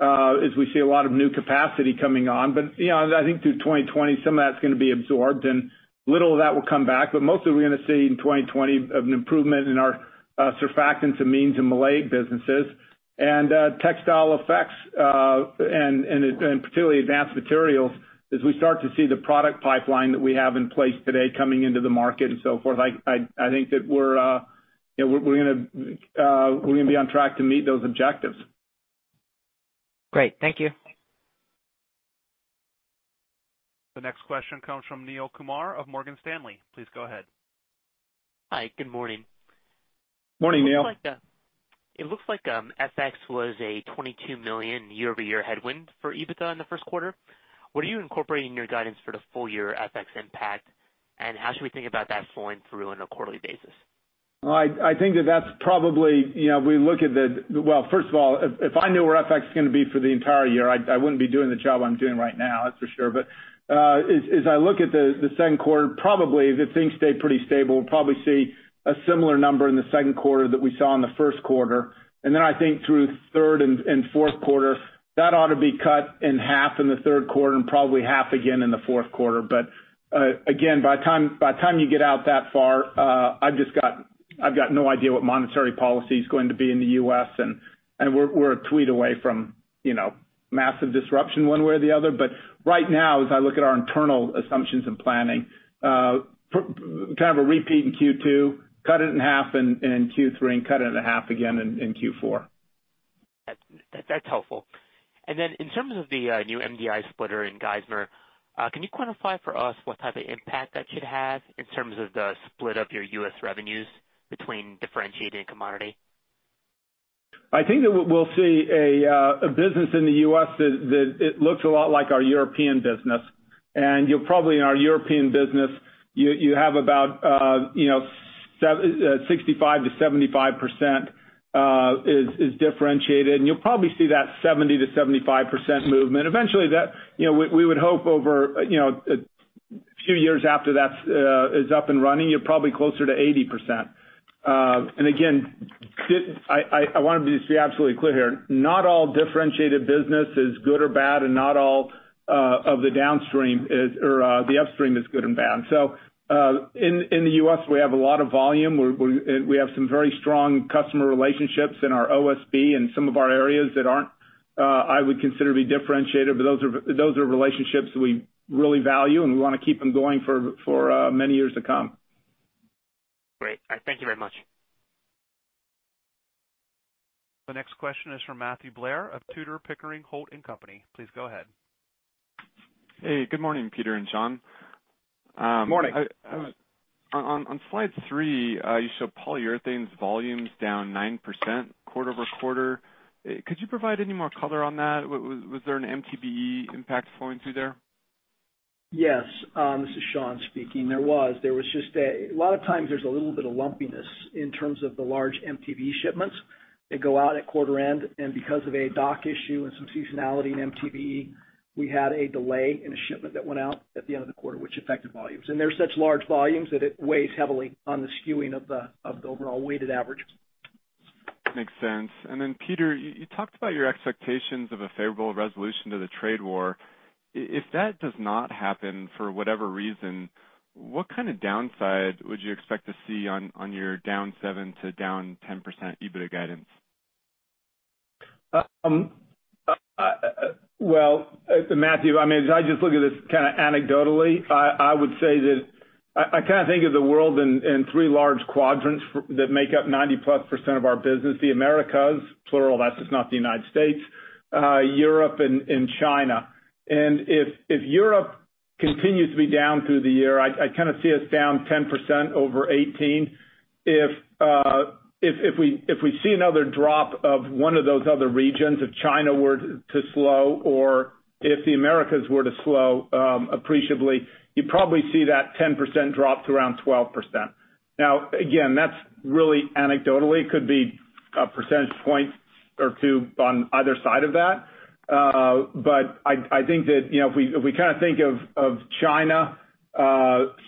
as we see a lot of new capacity coming on. I think through 2020, some of that's going to be absorbed and little of that will come back, but mostly we're going to see in 2020 of an improvement in our surfactants and amines and maleic businesses. Textile Effects and particularly Advanced Materials, as we start to see the product pipeline that we have in place today coming into the market and so forth, I think that we're going to be on track to meet those objectives. Great. Thank you. The next question comes from Neel Kumar of Morgan Stanley. Please go ahead. Hi. Good morning. Morning, Neel. It looks like FX was a $22 million year-over-year headwind for EBITDA in the first quarter. What are you incorporating in your guidance for the full year FX impact, and how should we think about that flowing through on a quarterly basis? First of all, if I knew where FX is going to be for the entire year, I wouldn't be doing the job I'm doing right now, that's for sure. As I look at the second quarter, probably if the things stay pretty stable, we'll probably see a similar number in the second quarter that we saw in the first quarter. Then I think through third and fourth quarter, that ought to be cut in half in the third quarter and probably half again in the fourth quarter. Again, by the time you get out that far, I've got no idea what monetary policy is going to be in the U.S. and we're a tweet away from massive disruption one way or the other. Right now, as I look at our internal assumptions and planning, kind of a repeat in Q2, cut it in half in Q3 and cut it in half again in Q4. That's helpful. Then in terms of the new MDI splitter in Geismar, can you quantify for us what type of impact that should have in terms of the split of your U.S. revenues between differentiated and commodity? I think that we'll see a business in the U.S. that looks a lot like our European business. You're probably in our European business, you have about 65%-75% is differentiated, and you'll probably see that 70%-75% movement. Eventually, we would hope over a few years after that is up and running, you're probably closer to 80%. Again, I want to just be absolutely clear here. Not all differentiated business is good or bad, and not all of the downstream or the upstream is good and bad. In the U.S., we have a lot of volume. We have some very strong customer relationships in our OSB and some of our areas that aren't, I would consider to be differentiated, but those are relationships we really value, and we want to keep them going for many years to come. Great. All right. Thank you very much. The next question is from Matthew Blair of Tudor, Pickering, Holt & Co.. Please go ahead. Hey, good morning, Peter and Sean. Morning. On slide three, you show Polyurethanes volumes down 9% quarter-over-quarter. Could you provide any more color on that? Was there an MTBE impact flowing through there? Yes. This is Sean speaking. A lot of times there's a little bit of lumpiness in terms of the large MTBE shipments that go out at quarter end. Because of a dock issue and some seasonality in MTBE, we had a delay in a shipment that went out at the end of the quarter, which affected volumes. They're such large volumes that it weighs heavily on the skewing of the overall weighted average. Makes sense. Peter, you talked about your expectations of a favorable resolution to the trade war. If that does not happen for whatever reason, what kind of downside would you expect to see on your -7% to -10% EBITDA guidance? Well, Matthew, as I just look at this kind of anecdotally, I kind of think of the world in three large quadrants that make up 90+% of our business. The Americas, plural, that's just not the U.S., Europe, and China. If Europe continues to be down through the year, I kind of see us -10% over 2018. If we see another drop of one of those other regions, if China were to slow or if the Americas were to slow appreciably, you'd probably see that 10% drop to around 12%. Again, that's really anecdotally. It could be a percentage point or two on either side of that. I think that if we kind of think of China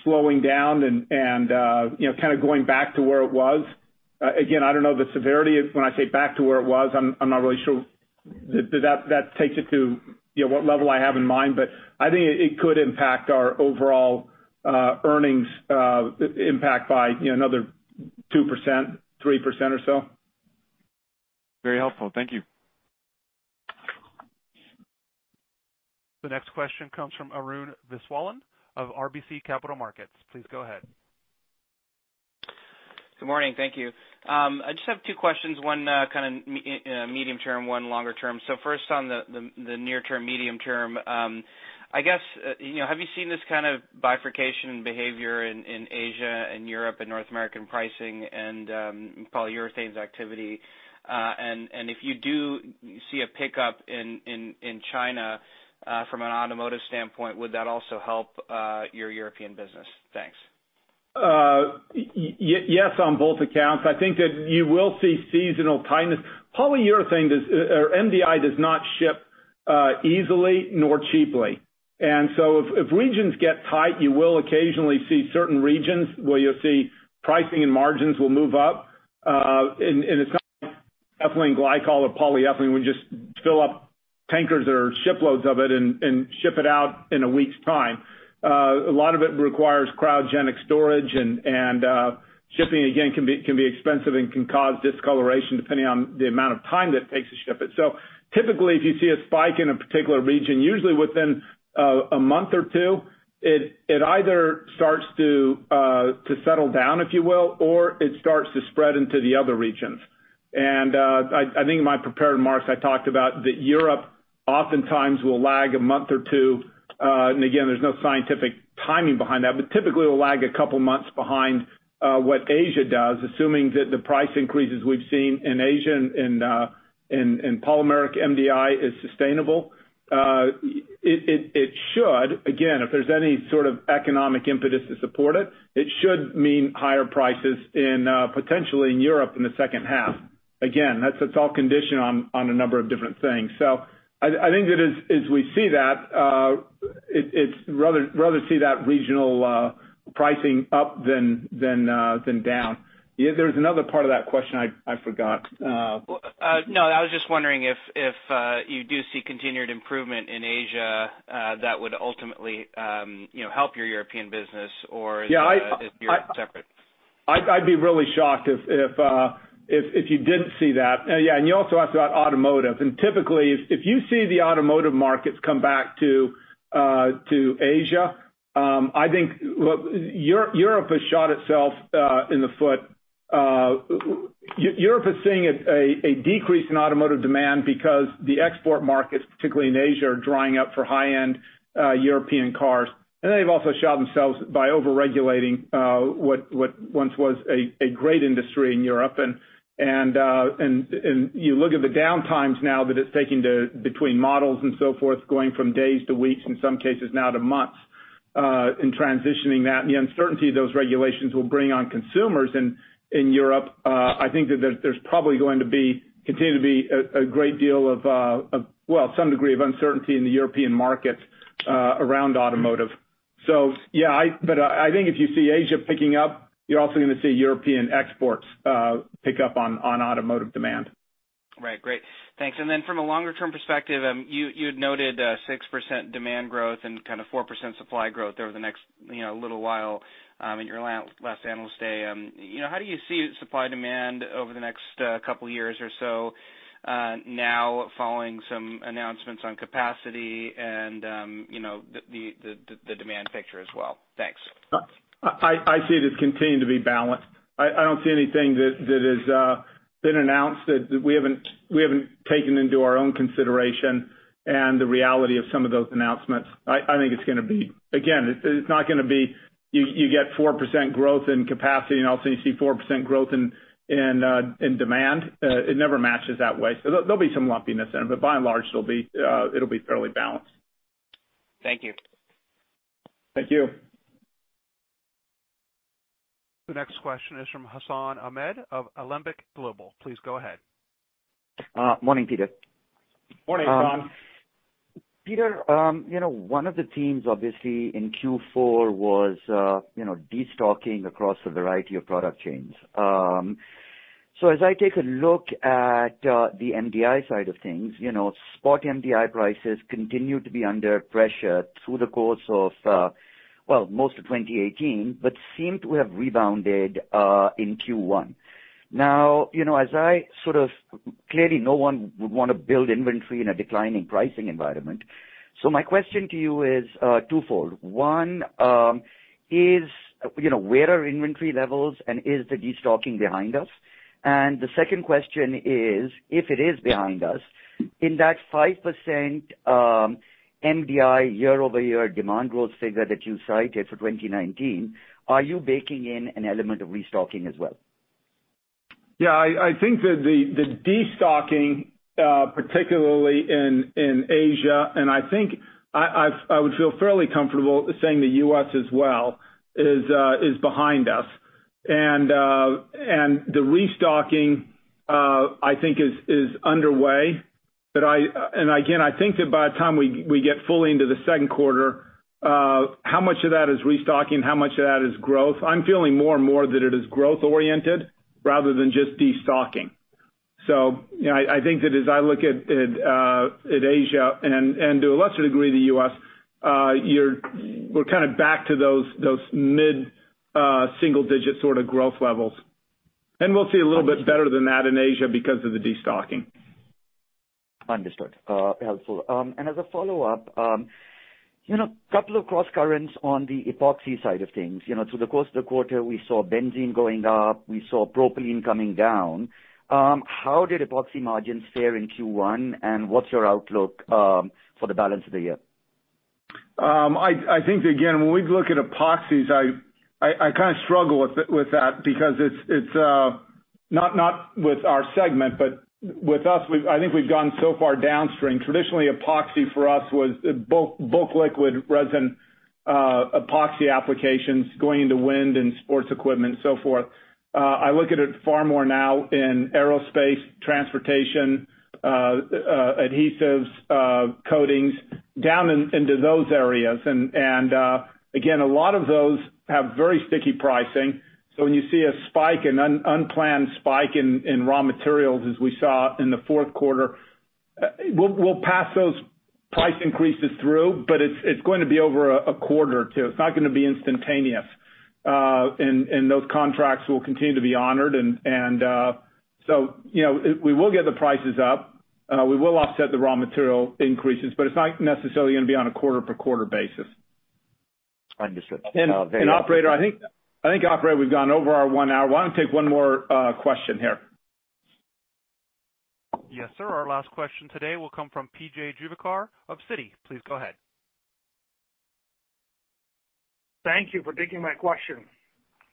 slowing down and kind of going back to where it was. Again, I don't know the severity of when I say back to where it was, I'm not really sure that takes it to what level I have in mind, but I think it could impact our overall earnings impact by another 2%, 3% or so. Very helpful. Thank you. The next question comes from Arun Viswanathan of RBC Capital Markets. Please go ahead. Good morning. Thank you. I just have two questions, one kind of medium-term, one longer term. First on the near term, medium-term. I guess, have you seen this kind of bifurcation behavior in Asia and Europe and North American pricing and Polyurethanes activity? If you do see a pickup in China from an automotive standpoint, would that also help your European business? Thanks. Yes on both accounts. I think that you will see seasonal tightness. MDI does not ship easily nor cheaply. If regions get tight, you will occasionally see certain regions where you'll see pricing and margins will move up. It's not Ethylene glycol or polyethylene. We just fill up tankers or shiploads of it and ship it out in a week's time. A lot of it requires cryogenic storage and shipping, again, can be expensive and can cause discoloration depending on the amount of time that it takes to ship it. Typically, if you see a spike in a particular region, usually within a month or two, it either starts to settle down, if you will, or it starts to spread into the other regions. I think in my prepared remarks, I talked about that Europe oftentimes will lag a month or two, and again, there's no scientific timing behind that, but typically will lag a couple of months behind what Asia does, assuming that the price increases we've seen in Asia and polymeric MDI is sustainable. It should. Again, if there's any sort of economic impetus to support it should mean higher prices potentially in Europe in the second half. Again, that's all conditioned on a number of different things. I think that as we see that, it's rather see that regional pricing up than down. There's another part of that question I forgot. I was just wondering if you do see continued improvement in Asia that would ultimately help your European business or- Yeah. If you're separate. I'd be really shocked if you didn't see that. You also asked about automotive. Typically, if you see the automotive markets come back to Asia, I think Europe has shot itself in the foot. Europe is seeing a decrease in automotive demand because the export markets, particularly in Asia, are drying up for high-end European cars. They've also shot themselves by over-regulating what once was a great industry in Europe. You look at the downtimes now that it's taking between models and so forth, going from days to weeks, in some cases now to months in transitioning that, and the uncertainty those regulations will bring on consumers in Europe. I think that there's probably going to continue to be a great deal of, well, some degree of uncertainty in the European market around automotive. Yeah, I think if you see Asia picking up, you're also going to see European exports pick up on automotive demand. Right. Great. Thanks. From a longer-term perspective, you had noted 6% demand growth and kind of 4% supply growth over the next little while in your last annual stay. How do you see supply demand over the next couple of years or so now following some announcements on capacity and the demand picture as well? Thanks. I see it as continuing to be balanced. I don't see anything that has been announced that we haven't taken into our own consideration and the reality of some of those announcements. Again, it's not going to be you get 4% growth in capacity and all of a sudden you see 4% growth in demand. It never matches that way. There'll be some lumpiness in it. By and large, it'll be fairly balanced. Thank you. Thank you. The next question is from Hassan Ahmed of Alembic Global. Please go ahead. Morning, Peter. Morning, Hassan. Peter, one of the themes obviously in Q4 was destocking across a variety of product chains. As I take a look at the MDI side of things, spot MDI prices continue to be under pressure through the course of, well, most of 2018, but seem to have rebounded in Q1. Clearly, no one would want to build inventory in a declining pricing environment. My question to you is twofold. One, where are inventory levels and is the destocking behind us? The second question is, if it is behind us, in that 5% MDI year-over-year demand growth figure that you cited for 2019, are you baking in an element of restocking as well? Yeah, I think that the destocking, particularly in Asia, and I think I would feel fairly comfortable saying the U.S. as well, is behind us. The restocking I think is underway. Again, I think that by the time we get fully into the second quarter, how much of that is restocking, how much of that is growth? I'm feeling more and more that it is growth-oriented rather than just destocking. I think that as I look at Asia and to a lesser degree, the U.S., we're kind of back to those mid-single digit sort of growth levels. We'll see a little bit better than that in Asia because of the destocking. Understood. Helpful. As a follow-up, couple of cross currents on the epoxy side of things. Through the course of the quarter, we saw benzene going up, we saw propylene coming down. How did epoxy margins fare in Q1, and what's your outlook for the balance of the year? I think that, again, when we look at epoxies, I kind of struggle with that because it's not with our segment, but with us, I think we've gone so far downstream. Traditionally, epoxy for us was bulk liquid resin epoxy applications going into wind and sports equipment, so forth. I look at it far more now in aerospace, transportation, Adhesives, coatings, down into those areas. Again, a lot of those have very sticky pricing. When you see an unplanned spike in raw materials as we saw in the fourth quarter, we'll pass those price increases through, but it's going to be over a quarter or two. It's not going to be instantaneous. Those contracts will continue to be honored, we will get the prices up. We will offset the raw material increases, but it's not necessarily going to be on a quarter-per-quarter basis. Understood. I think, operator, we've gone over our one hour. Why don't we take one more question here? Yes, sir. Our last question today will come from P.J. Juvekar of Citi. Please go ahead. Thank you for taking my question.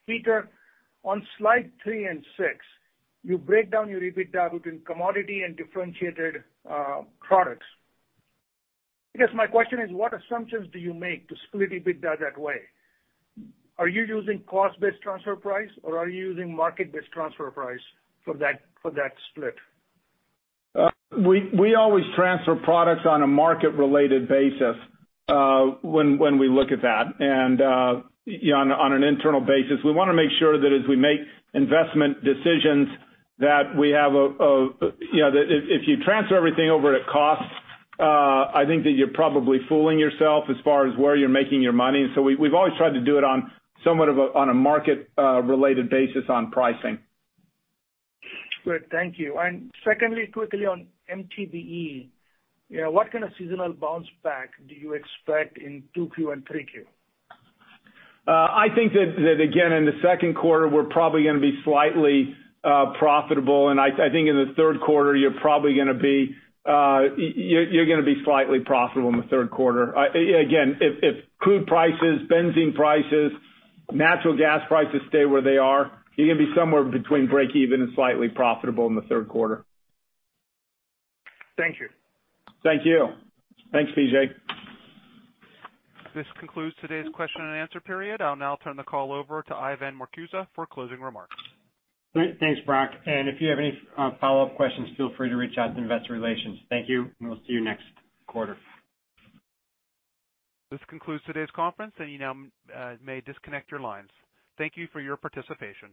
Peter, on slide three and six, you break down your EBITDA between commodity and differentiated products. I guess my question is, what assumptions do you make to split EBITDA that way? Are you using cost-based transfer price, or are you using market-based transfer price for that split? We always transfer products on a market-related basis when we look at that. On an internal basis, we want to make sure that as we make investment decisions that we have. If you transfer everything over at cost, I think that you're probably fooling yourself as far as where you're making your money. We've always tried to do it on somewhat of a market-related basis on pricing. Secondly, quickly on MTBE, what kind of seasonal bounce back do you expect in 2Q and 3Q? I think that again, in the second quarter, we're probably going to be slightly profitable, and I think in the third quarter you're going to be slightly profitable in the third quarter. Again, if crude prices, benzene prices, natural gas prices stay where they are, you're going to be somewhere between breakeven and slightly profitable in the third quarter. Thank you. Thank you. Thanks, P.J. This concludes today's question and answer period. I'll now turn the call over to Ivan Marcuse for closing remarks. Great. Thanks, Brock. If you have any follow-up questions, feel free to reach out to investor relations. Thank you. We'll see you next quarter. This concludes today's conference. You now may disconnect your lines. Thank you for your participation.